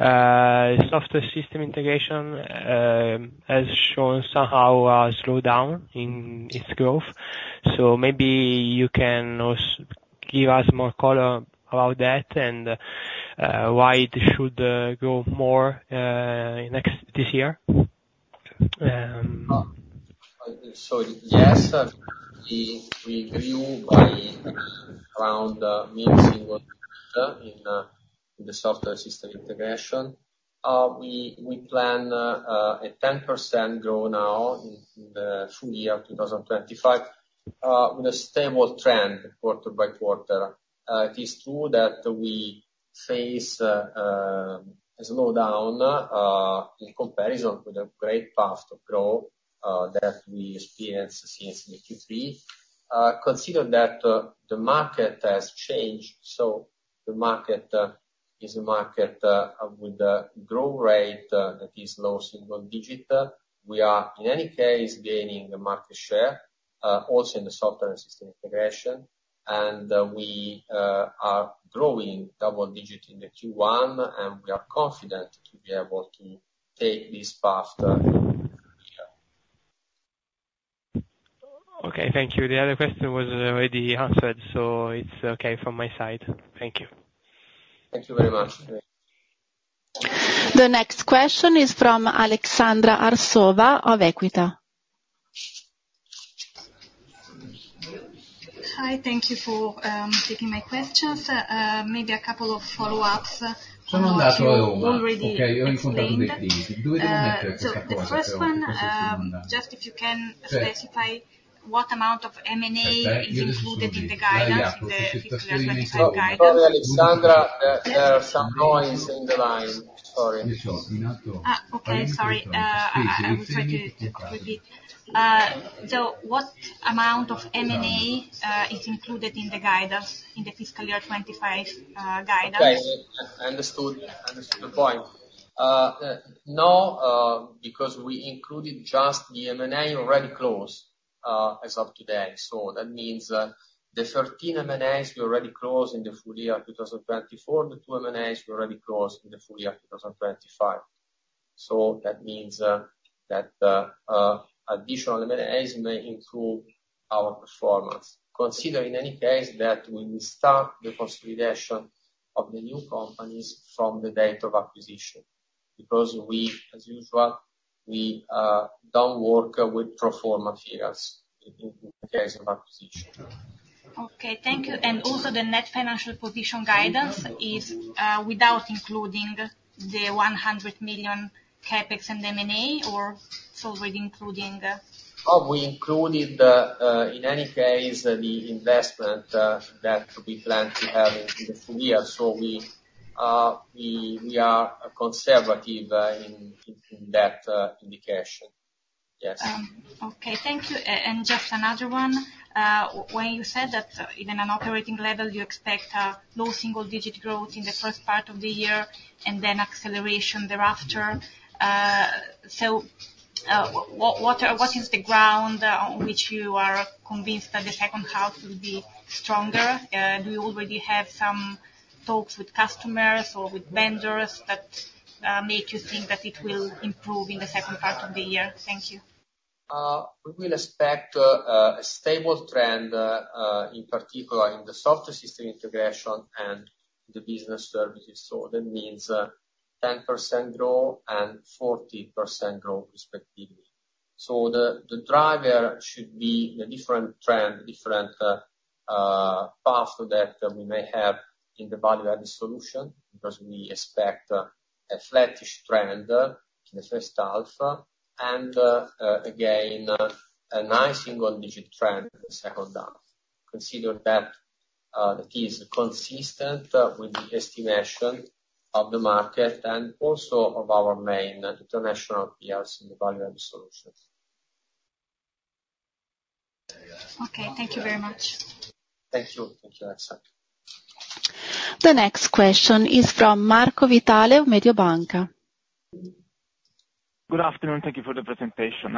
Software system integration has shown somehow a slowdown in its growth, so maybe you can give us more color about that and why it should grow more this year? So, yes, we view by around mid-single in the software system integration. We plan a 10% growth now in the full year of 2025 with a stable trend quarter by quarter. It is true that we face a slowdown in comparison with the great path of growth that we experienced since 2023. Consider that the market has changed, so the market is a market with a growth rate that is low single-digit. We are, in any case, gaining the market share also in the software and system integration. And we are growing double-digit in the Q1, and we are confident to be able to take this path, yeah. Okay, thank you. The other question was already answered, so it's okay from my side. Thank you. Thank you very much. The next question is from Aleksandra Arsova of Equita. Hi, thank you for taking my questions. Maybe a couple of follow-ups to what you already explained. So the first one, just if you can specify what amount of M&A is included in the guidance, in the fiscal specified guidance? Aleksandra, there are some noise in the line. Sorry. Okay, sorry. I will try to repeat. So what amount of M&A is included in the guidance, in the fiscal year 2025 guidance? Okay, I understood the point. Now, because we included just the M&A already closed as of today, so that means the thirteen M&As we already closed in the full year of 2024, the two M&As we already closed in the full year of 2025. So that means that additional M&As may improve our performance. Consider in any case, that when we start the consolidation of the new companies from the date of acquisition, because we, as usual, don't work with pro forma peers in case of acquisition. Okay, thank you. And also, the net financial position guidance is without including the 100 million CapEx and M&A, or it's already including the? Oh, we included, in any case, the investment that we plan to have in the full year. So we are conservative, in that indication. Yes. Okay, thank you. And just another one. When you said that in an operating level, you expect low single digit growth in the first part of the year and then acceleration thereafter, so what is the ground on which you are convinced that the second half will be stronger? Do you already have some talks with customers or with vendors that make you think that it will improve in the second half of the year? Thank you. We will expect a stable trend in particular in the software system integration and the business services. So that means 10% growth and 40% growth respectively. So the driver should be a different trend, different path that we may have in the value-added solution, because we expect a flattish trend in the first half, and again a nice single digit trend in the second half. Consider that that is consistent with the estimation of the market and also of our main international peers in the value-added solutions. Okay, thank you very much. Thank you, Aleksa. The next question is from Marco Vitale of Mediobanca Good afternoon, thank you for the presentation.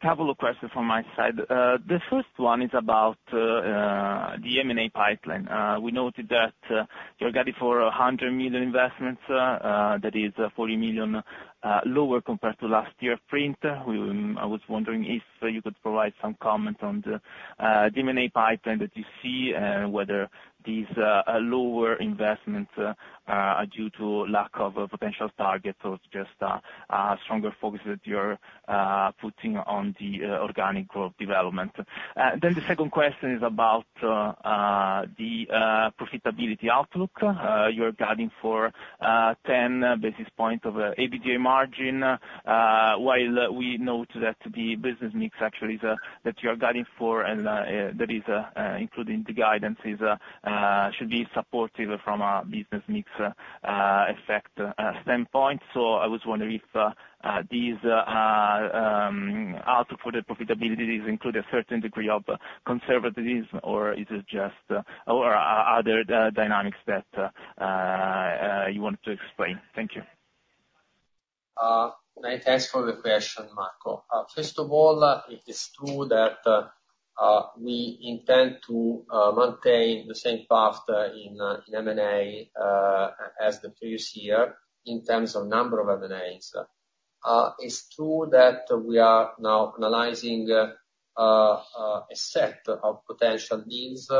Couple of questions from my side. The first one is about the M&A pipeline. We noted that you're guiding for 100 million investments, that is 40 million lower compared to last year print. I was wondering if you could provide some comment on the M&A pipeline that you see, whether these lower investments are due to lack of potential targets or just a stronger focus that you're putting on the organic growth development. Then the second question is about the profitability outlook. You're guiding for 10 basis points of EBITDA margin, while we note that the business mix actually is that you are guiding for and that is including the guidances should be supportive from a business mix effect standpoint. So I was wondering if these output for the profitability include a certain degree of conservatism, or is it just... or are there other dynamics that you want to explain? Thank you. Thanks for the question, Marco. First of all, it is true that we intend to maintain the same path in M&A as the previous year, in terms of number of M&As. It's true that we are now analyzing a set of potential deals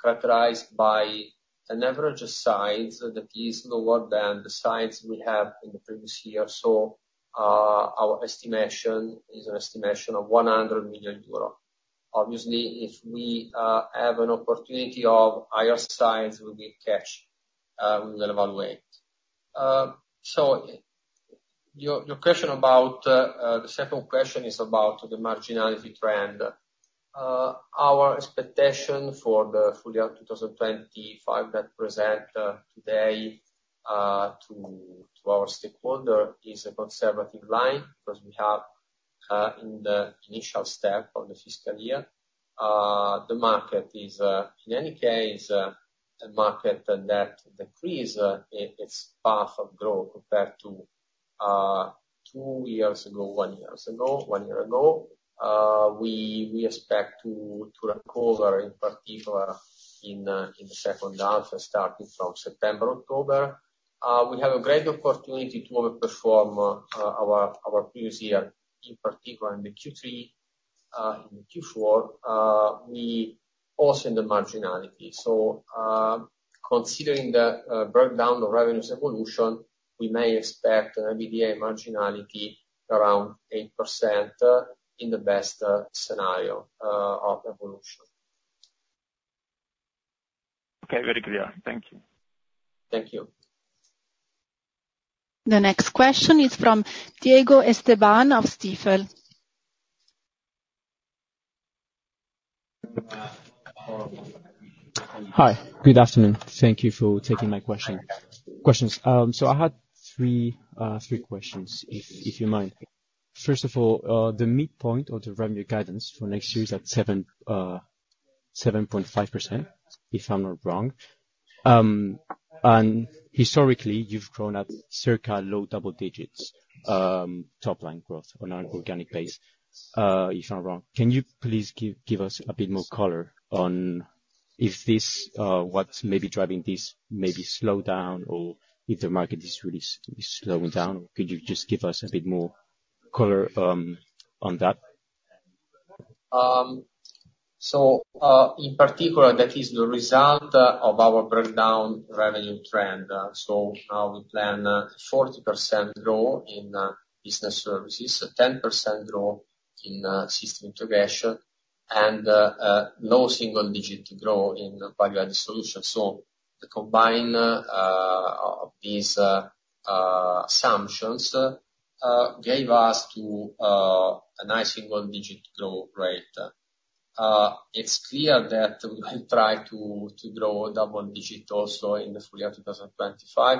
characterized by an average size that is lower than the size we had in the previous year. So, our estimation is an estimation of 100 million euro. Obviously, if we have an opportunity of higher size, we will catch, we will evaluate. So your question about the second question is about the marginality trend. Our expectation for the full year of 2025, that present today to our stakeholder, is a conservative line, because we have in the initial step of the fiscal year. The market is, in any case, the market that decrease its path of growth compared to two years ago, one year ago, one year ago. We expect to recover, in particular, in the second half, starting from September, October. We have a great opportunity to overperform our previous year, in particular in the Q3. In the Q4, we also in the marginality. Considering the breakdown of revenues evolution, we may expect an EBITDA marginality around 8%, in the best scenario of evolution. Okay, very clear. Thank you. Thank you. The next question is from Diego Esteban of Stifel. Hi, good afternoon. Thank you for taking my question, questions. So I had 3, 3 questions, if, if you mind. First of all, the midpoint of the revenue guidance for next year is at 7.5%, if I'm not wrong. And historically, you've grown at circa low double digits, top line growth on an organic pace, if I'm wrong. Can you please give, give us a bit more color on if this, what may be driving this maybe slowdown or if the market is really slowing down? Could you just give us a bit more color, on that? So, in particular, that is the result of our breakdown revenue trend. So, we plan 40% growth in business services, 10% growth in system integration, and low single-digit growth in value-added solutions. So the combined these assumptions gave us to a nice single-digit growth rate. It's clear that we will try to grow double digits also in the full year 2025.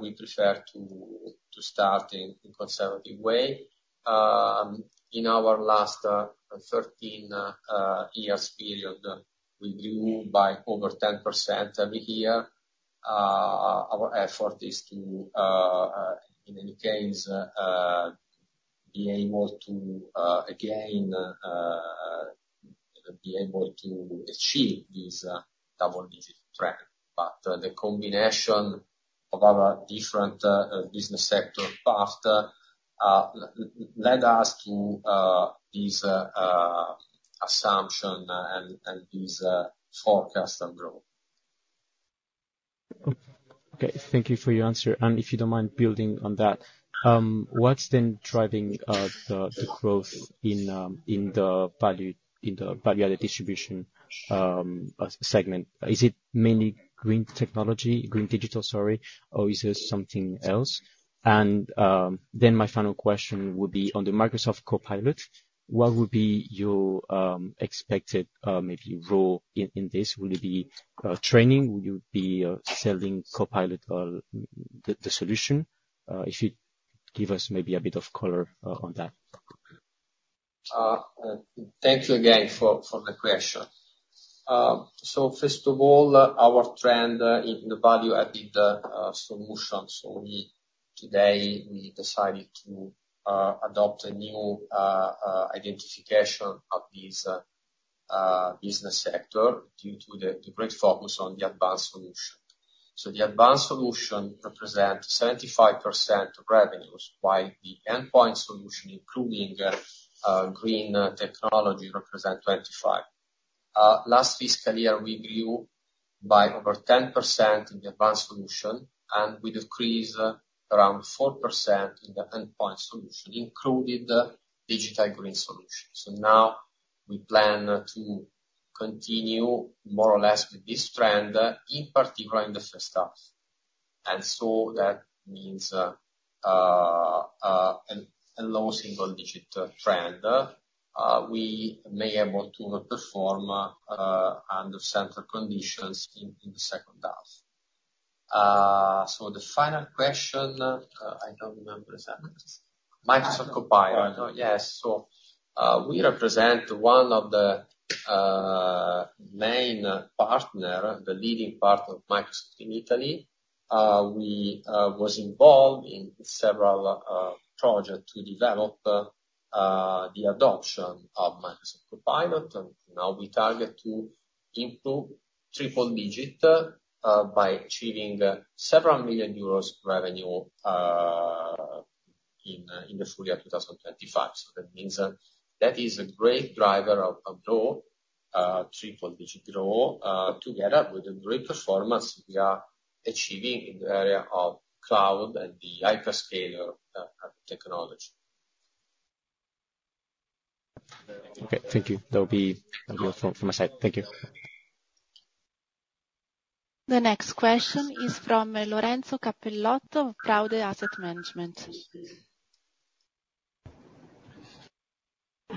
We prefer to start in a conservative way. In our last 13 years period, we grew by over 10% every year. Our effort is to, in any case, be able to again be able to achieve this double-digit trend. But, the combination of our different business sector path led us to this assumption, and this forecast of growth. Okay, thank you for your answer. And if you don't mind building on that, what's then driving the growth in the value-added distribution segment? Is it mainly green technology, green digital, sorry, or is it something else? And, then my final question would be on the Microsoft Copilot, what would be your expected, maybe role in this? Will it be training? Will you be selling Copilot or the solution? If you give us maybe a bit of color, on that. Thank you again for the question. So first of all, our trend in the value-added solutions, so we today decided to adopt a new identification of this business sector due to the great focus on the advanced solution. So the advanced solution represent 75% of revenues, while the endpoint solution, including green technology, represent 25. Last fiscal year, we grew by over 10% in the advanced solution, and we decrease around 4% in the endpoint solution, including the digital green solution. So now we plan to continue more or less with this trend in particular in the first half. And so that means a low single-digit trend. We may able to perform under certain conditions in the second half. So the final question, Microsoft Copilot. Yes. So, we represent one of the main partner, the leading partner of Microsoft in Italy. We was involved in several project to develop the adoption of Microsoft Copilot, and now we target to into triple-digit, by achieving several million EUR revenue, in the full year 2025. So that means that is a great driver of growth, triple-digit growth, together with the great performance we are achieving in the area of cloud and the hyperscaler technology. Okay, thank you. That will be all from my side. Thank you. The next question is from, Lorenzo Cappellotto of Praude Asset Management.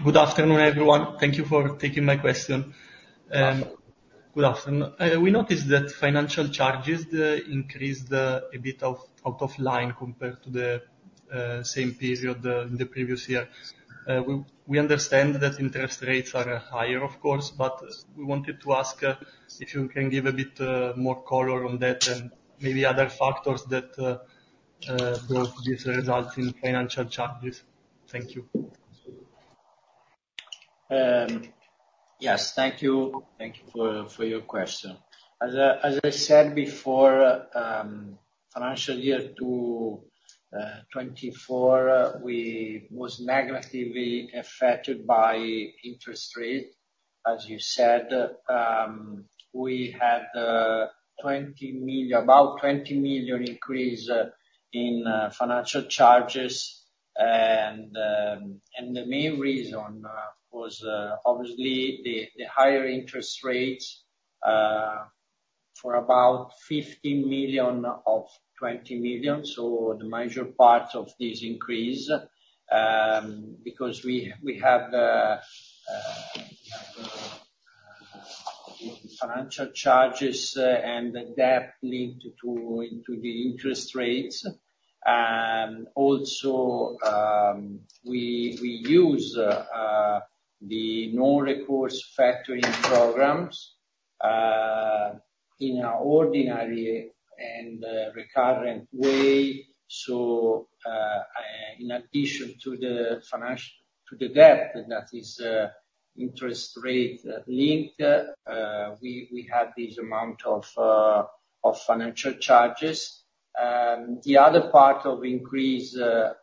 Good afternoon, everyone. Thank you for taking my question. Good afternoon. We noticed that financial charges increased a bit out of line compared to the same period in the previous year. We understand that interest rates are higher, of course, but we wanted to ask if you can give a bit more color on that and maybe other factors that brought this result in financial charges. Thank you. Yes, thank you. Thank you for your question. As I said before, financial year 2024, we was negatively affected by interest rate, as you said. We had 20 million, about 20 million increase in financial charges. And the main reason was obviously the higher interest rates for about 15 million of 20 million, so the major part of this increase, because we have financial charges, and the debt linked to the interest rates. And also, we use the non-recourse factoring programs in an ordinary and recurrent way. So, in addition to the financial to the debt that is interest rate-linked, we have this amount of financial charges. The other part of increase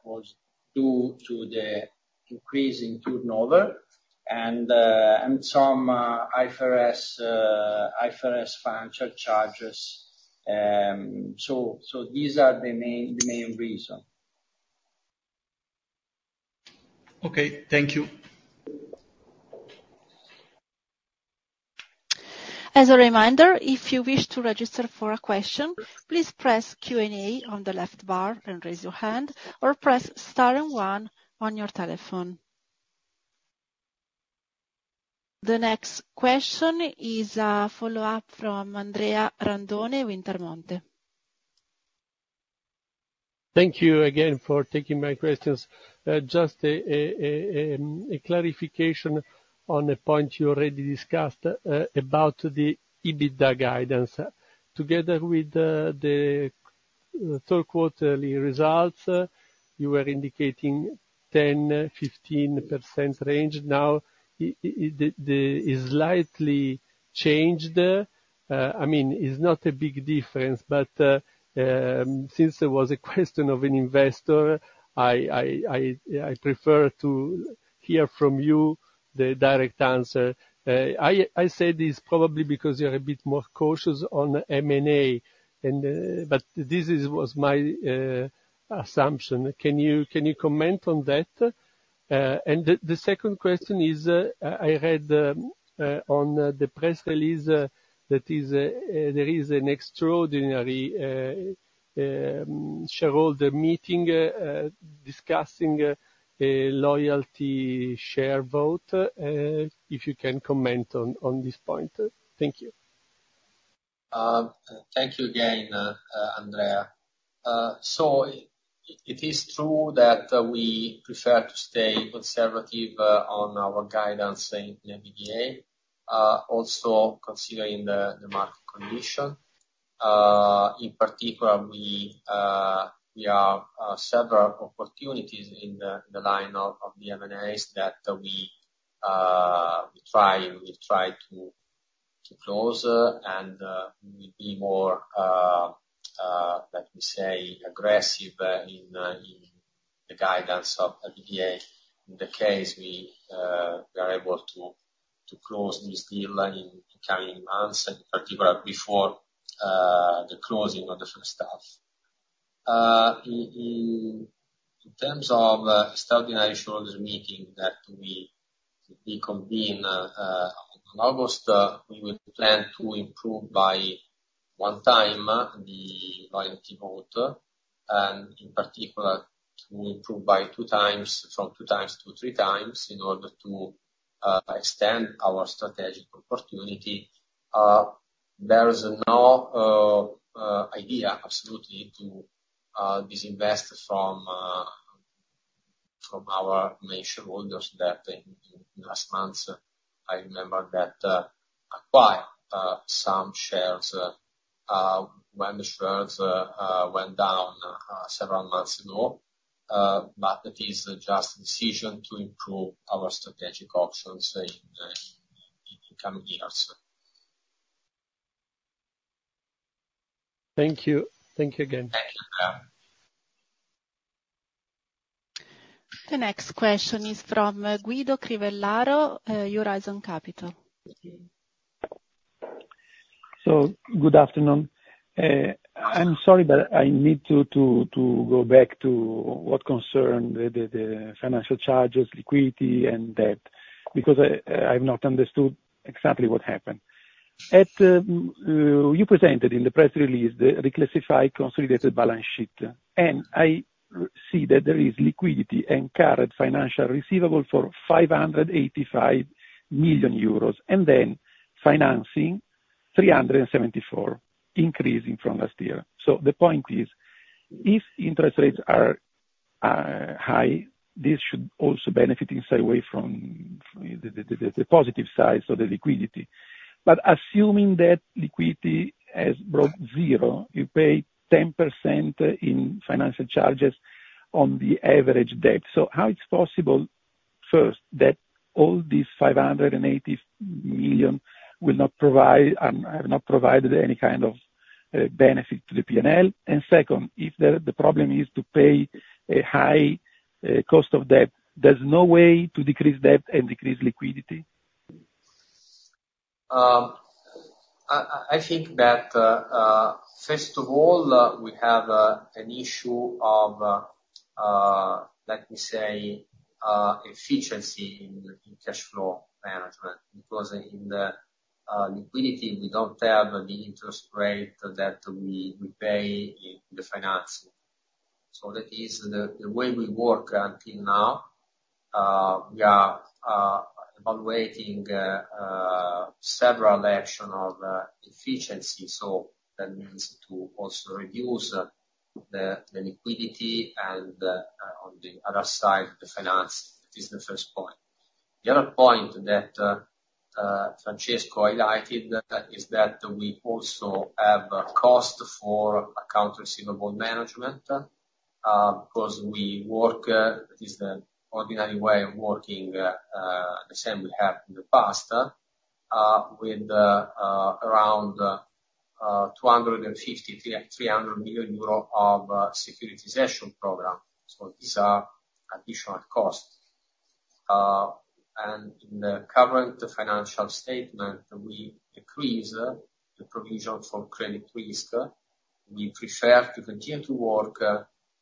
was due to the increase in turnover and some IFRS financial charges. So these are the main reason. Okay, thank you. As a reminder, if you wish to register for a question, please press Q&A on the left bar and raise your hand or press star and one on your telephone. The next question is a follow-up from Andrea Randone of Intermonte. Thank you again for taking my questions. Just a clarification on a point you already discussed about the EBITDA guidance. Together with the third quarter results, you were indicating 10%-15% range. Now, it is slightly changed. I mean, it's not a big difference, but since there was a question of an investor, I prefer to hear from you the direct answer. I say this probably because you're a bit more cautious on M&A, but this was my assumption. Can you comment on that? And the second question is, I read on the press release that there is an extraordinary shareholder meeting discussing a loyalty share vote, if you can comment on this point. Thank you. Thank you again, Andrea. So it is true that we prefer to stay conservative on our guidance in EBITDA, also considering the market condition. In particular, we have several opportunities in the line of the M&As that we try to close, and we be more, let me say, aggressive in the guidance of EBITDA. In the case we are able to close this deal in the coming months, in particular before the closing of the first half. In terms of extraordinary shareholders meeting that we convene in August, we will plan to improve by 1 time the loyalty vote, and in particular, to improve by 2 times, from 2 times to 3 times, in order to extend our strategic opportunity. There is no idea, absolutely, to disinvest from our main shareholders that in last months, I remember that, acquired some shares, when the shares went down several months ago. But it is just a decision to improve our strategic options in coming years. Thank you. Thank you again. Thank you. The next question is from Guido Crivellaro, Horizon Capital. So good afternoon. I'm sorry, but I need to go back to what concerned the financial charges, liquidity, and debt, because I've not understood exactly what happened. You presented in the press release the reclassified consolidated balance sheet, and I see that there is liquidity and current financial receivable for 585 million euros, and then financing, 374 million, increasing from last year. So the point is, if interest rates are high, this should also benefiting sideways from the positive sides of the liquidity. But assuming that liquidity has brought zero, you pay 10% in financial charges on the average debt. So how it's possible, first, that all these 580 million will not provide, have not provided any kind of benefit to the P&L? And second, if the problem is to pay a high cost of debt, there's no way to decrease debt and decrease liquidity? I think that first of all, we have an issue of, let me say, efficiency in cash flow management. Because in the liquidity, we don't have the interest rate that we pay in the financing. So that is the way we work until now, we are evaluating several action of efficiency, so that means to also reduce the liquidity, and on the other side, the finance. That is the first point. The other point that Francesco highlighted is that we also have a cost for accounts receivable management, because we work the ordinary way of working, the same we have in the past, with around 250 million-300 million euro of securitization program. So these are additional costs. In the current financial statement, we decrease the provision for credit risk. We prefer to continue to work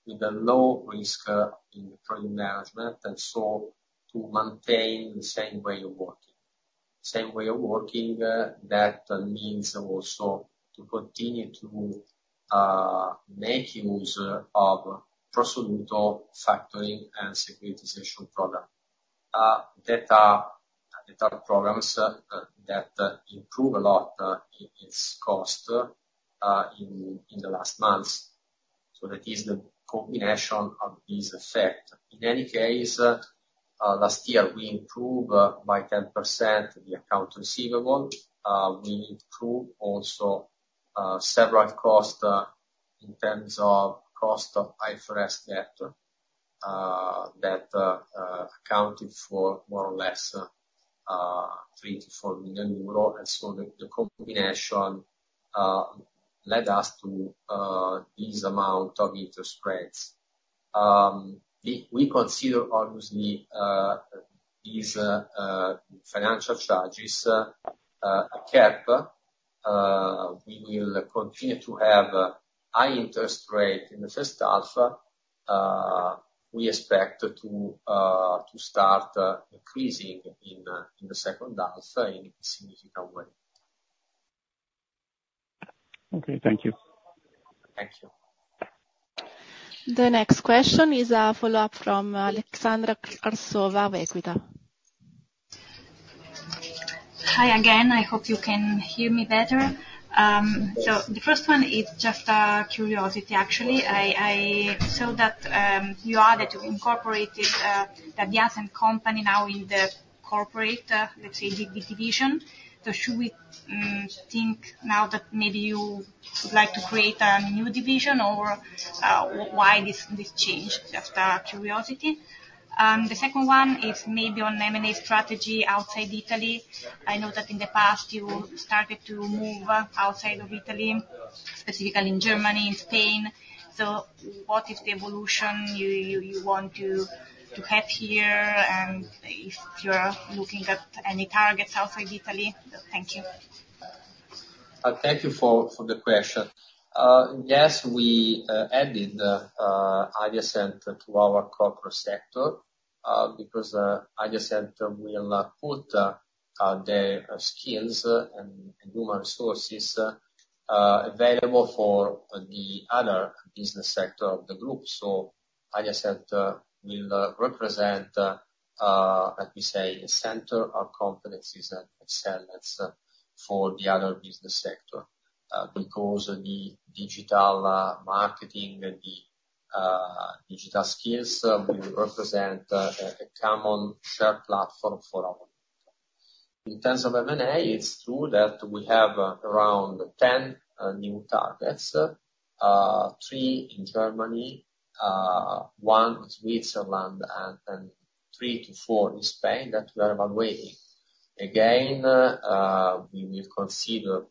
with a low risk in credit management, and so to maintain the same way of working. Same way of working, that means also to continue to make use of Pro Soluto factoring and securitization program. That program that improves a lot its cost in the last months. So that is the combination of this effect. In any case, last year, we improved by 10% the accounts receivable. We improved also several costs in terms of cost of IFRS debt that accounted for more or less 3 million-4 million euro. The combination led us to this amount of interest rates. We consider obviously these financial charges a cap. We will continue to have high interest rate in the first half. We expect to start increasing in the second half in a significant way. Okay. Thank you. Thank you. The next question is a follow-up from Aleksandra Arsova of Equita. Hi again. I hope you can hear me better. So the first one is just curiosity, actually. I saw that you added or incorporated the Adiacent company now in the corporate, let's say, division. So should we think now that maybe you would like to create a new division, or why this change? Just curiosity. The second one is maybe on M&A strategy outside Italy. I know that in the past, you started to move outside of Italy, specifically in Germany and Spain. So what is the evolution you want to have here, and if you are looking at any targets outside Italy? Thank you. Thank you for the question. Yes, we added Adiacent to our corporate sector, because Adiacent will put their skills and human resources available for the other business sector of the group. So Adiacent will represent, like we say, a center of competencies and excellence for the other business sector, because the digital marketing and the digital skills will represent a common shared platform for our. [inaudible] In terms of M&A, it's true that we have around 10 new targets: 3 in Germany, 1 in Switzerland, and 3-4 in Spain that we are evaluating. Again, we will consider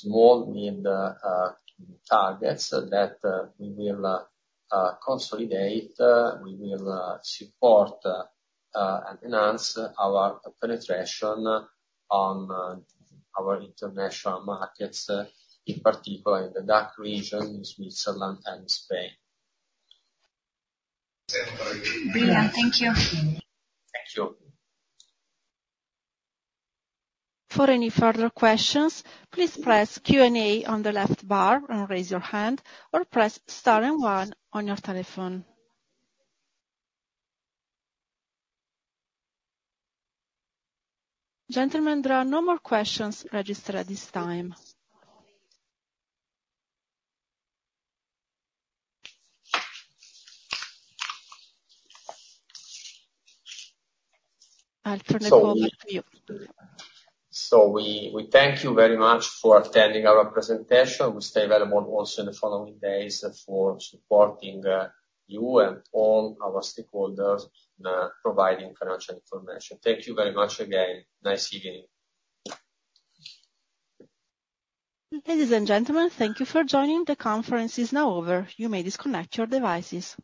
small, mid targets that we will consolidate. We will support and enhance our penetration on our international markets, in particular in the DACH region, in Switzerland, and in Spain. Brilliant. Thank you. Thank you. For any further questions, please press Q&A on the left bar and raise your hand or press star and one on your telephone. Gentlemen, there are no more questions registered at this time. I will turn it over to you. So we thank you very much for attending our presentation. We'll stay available also in the following days for supporting you and all our stakeholders, providing financial information. Thank you very much again. Nice evening. Ladies and gentlemen, thank you for joining. The conference is now over. You may disconnect your devices.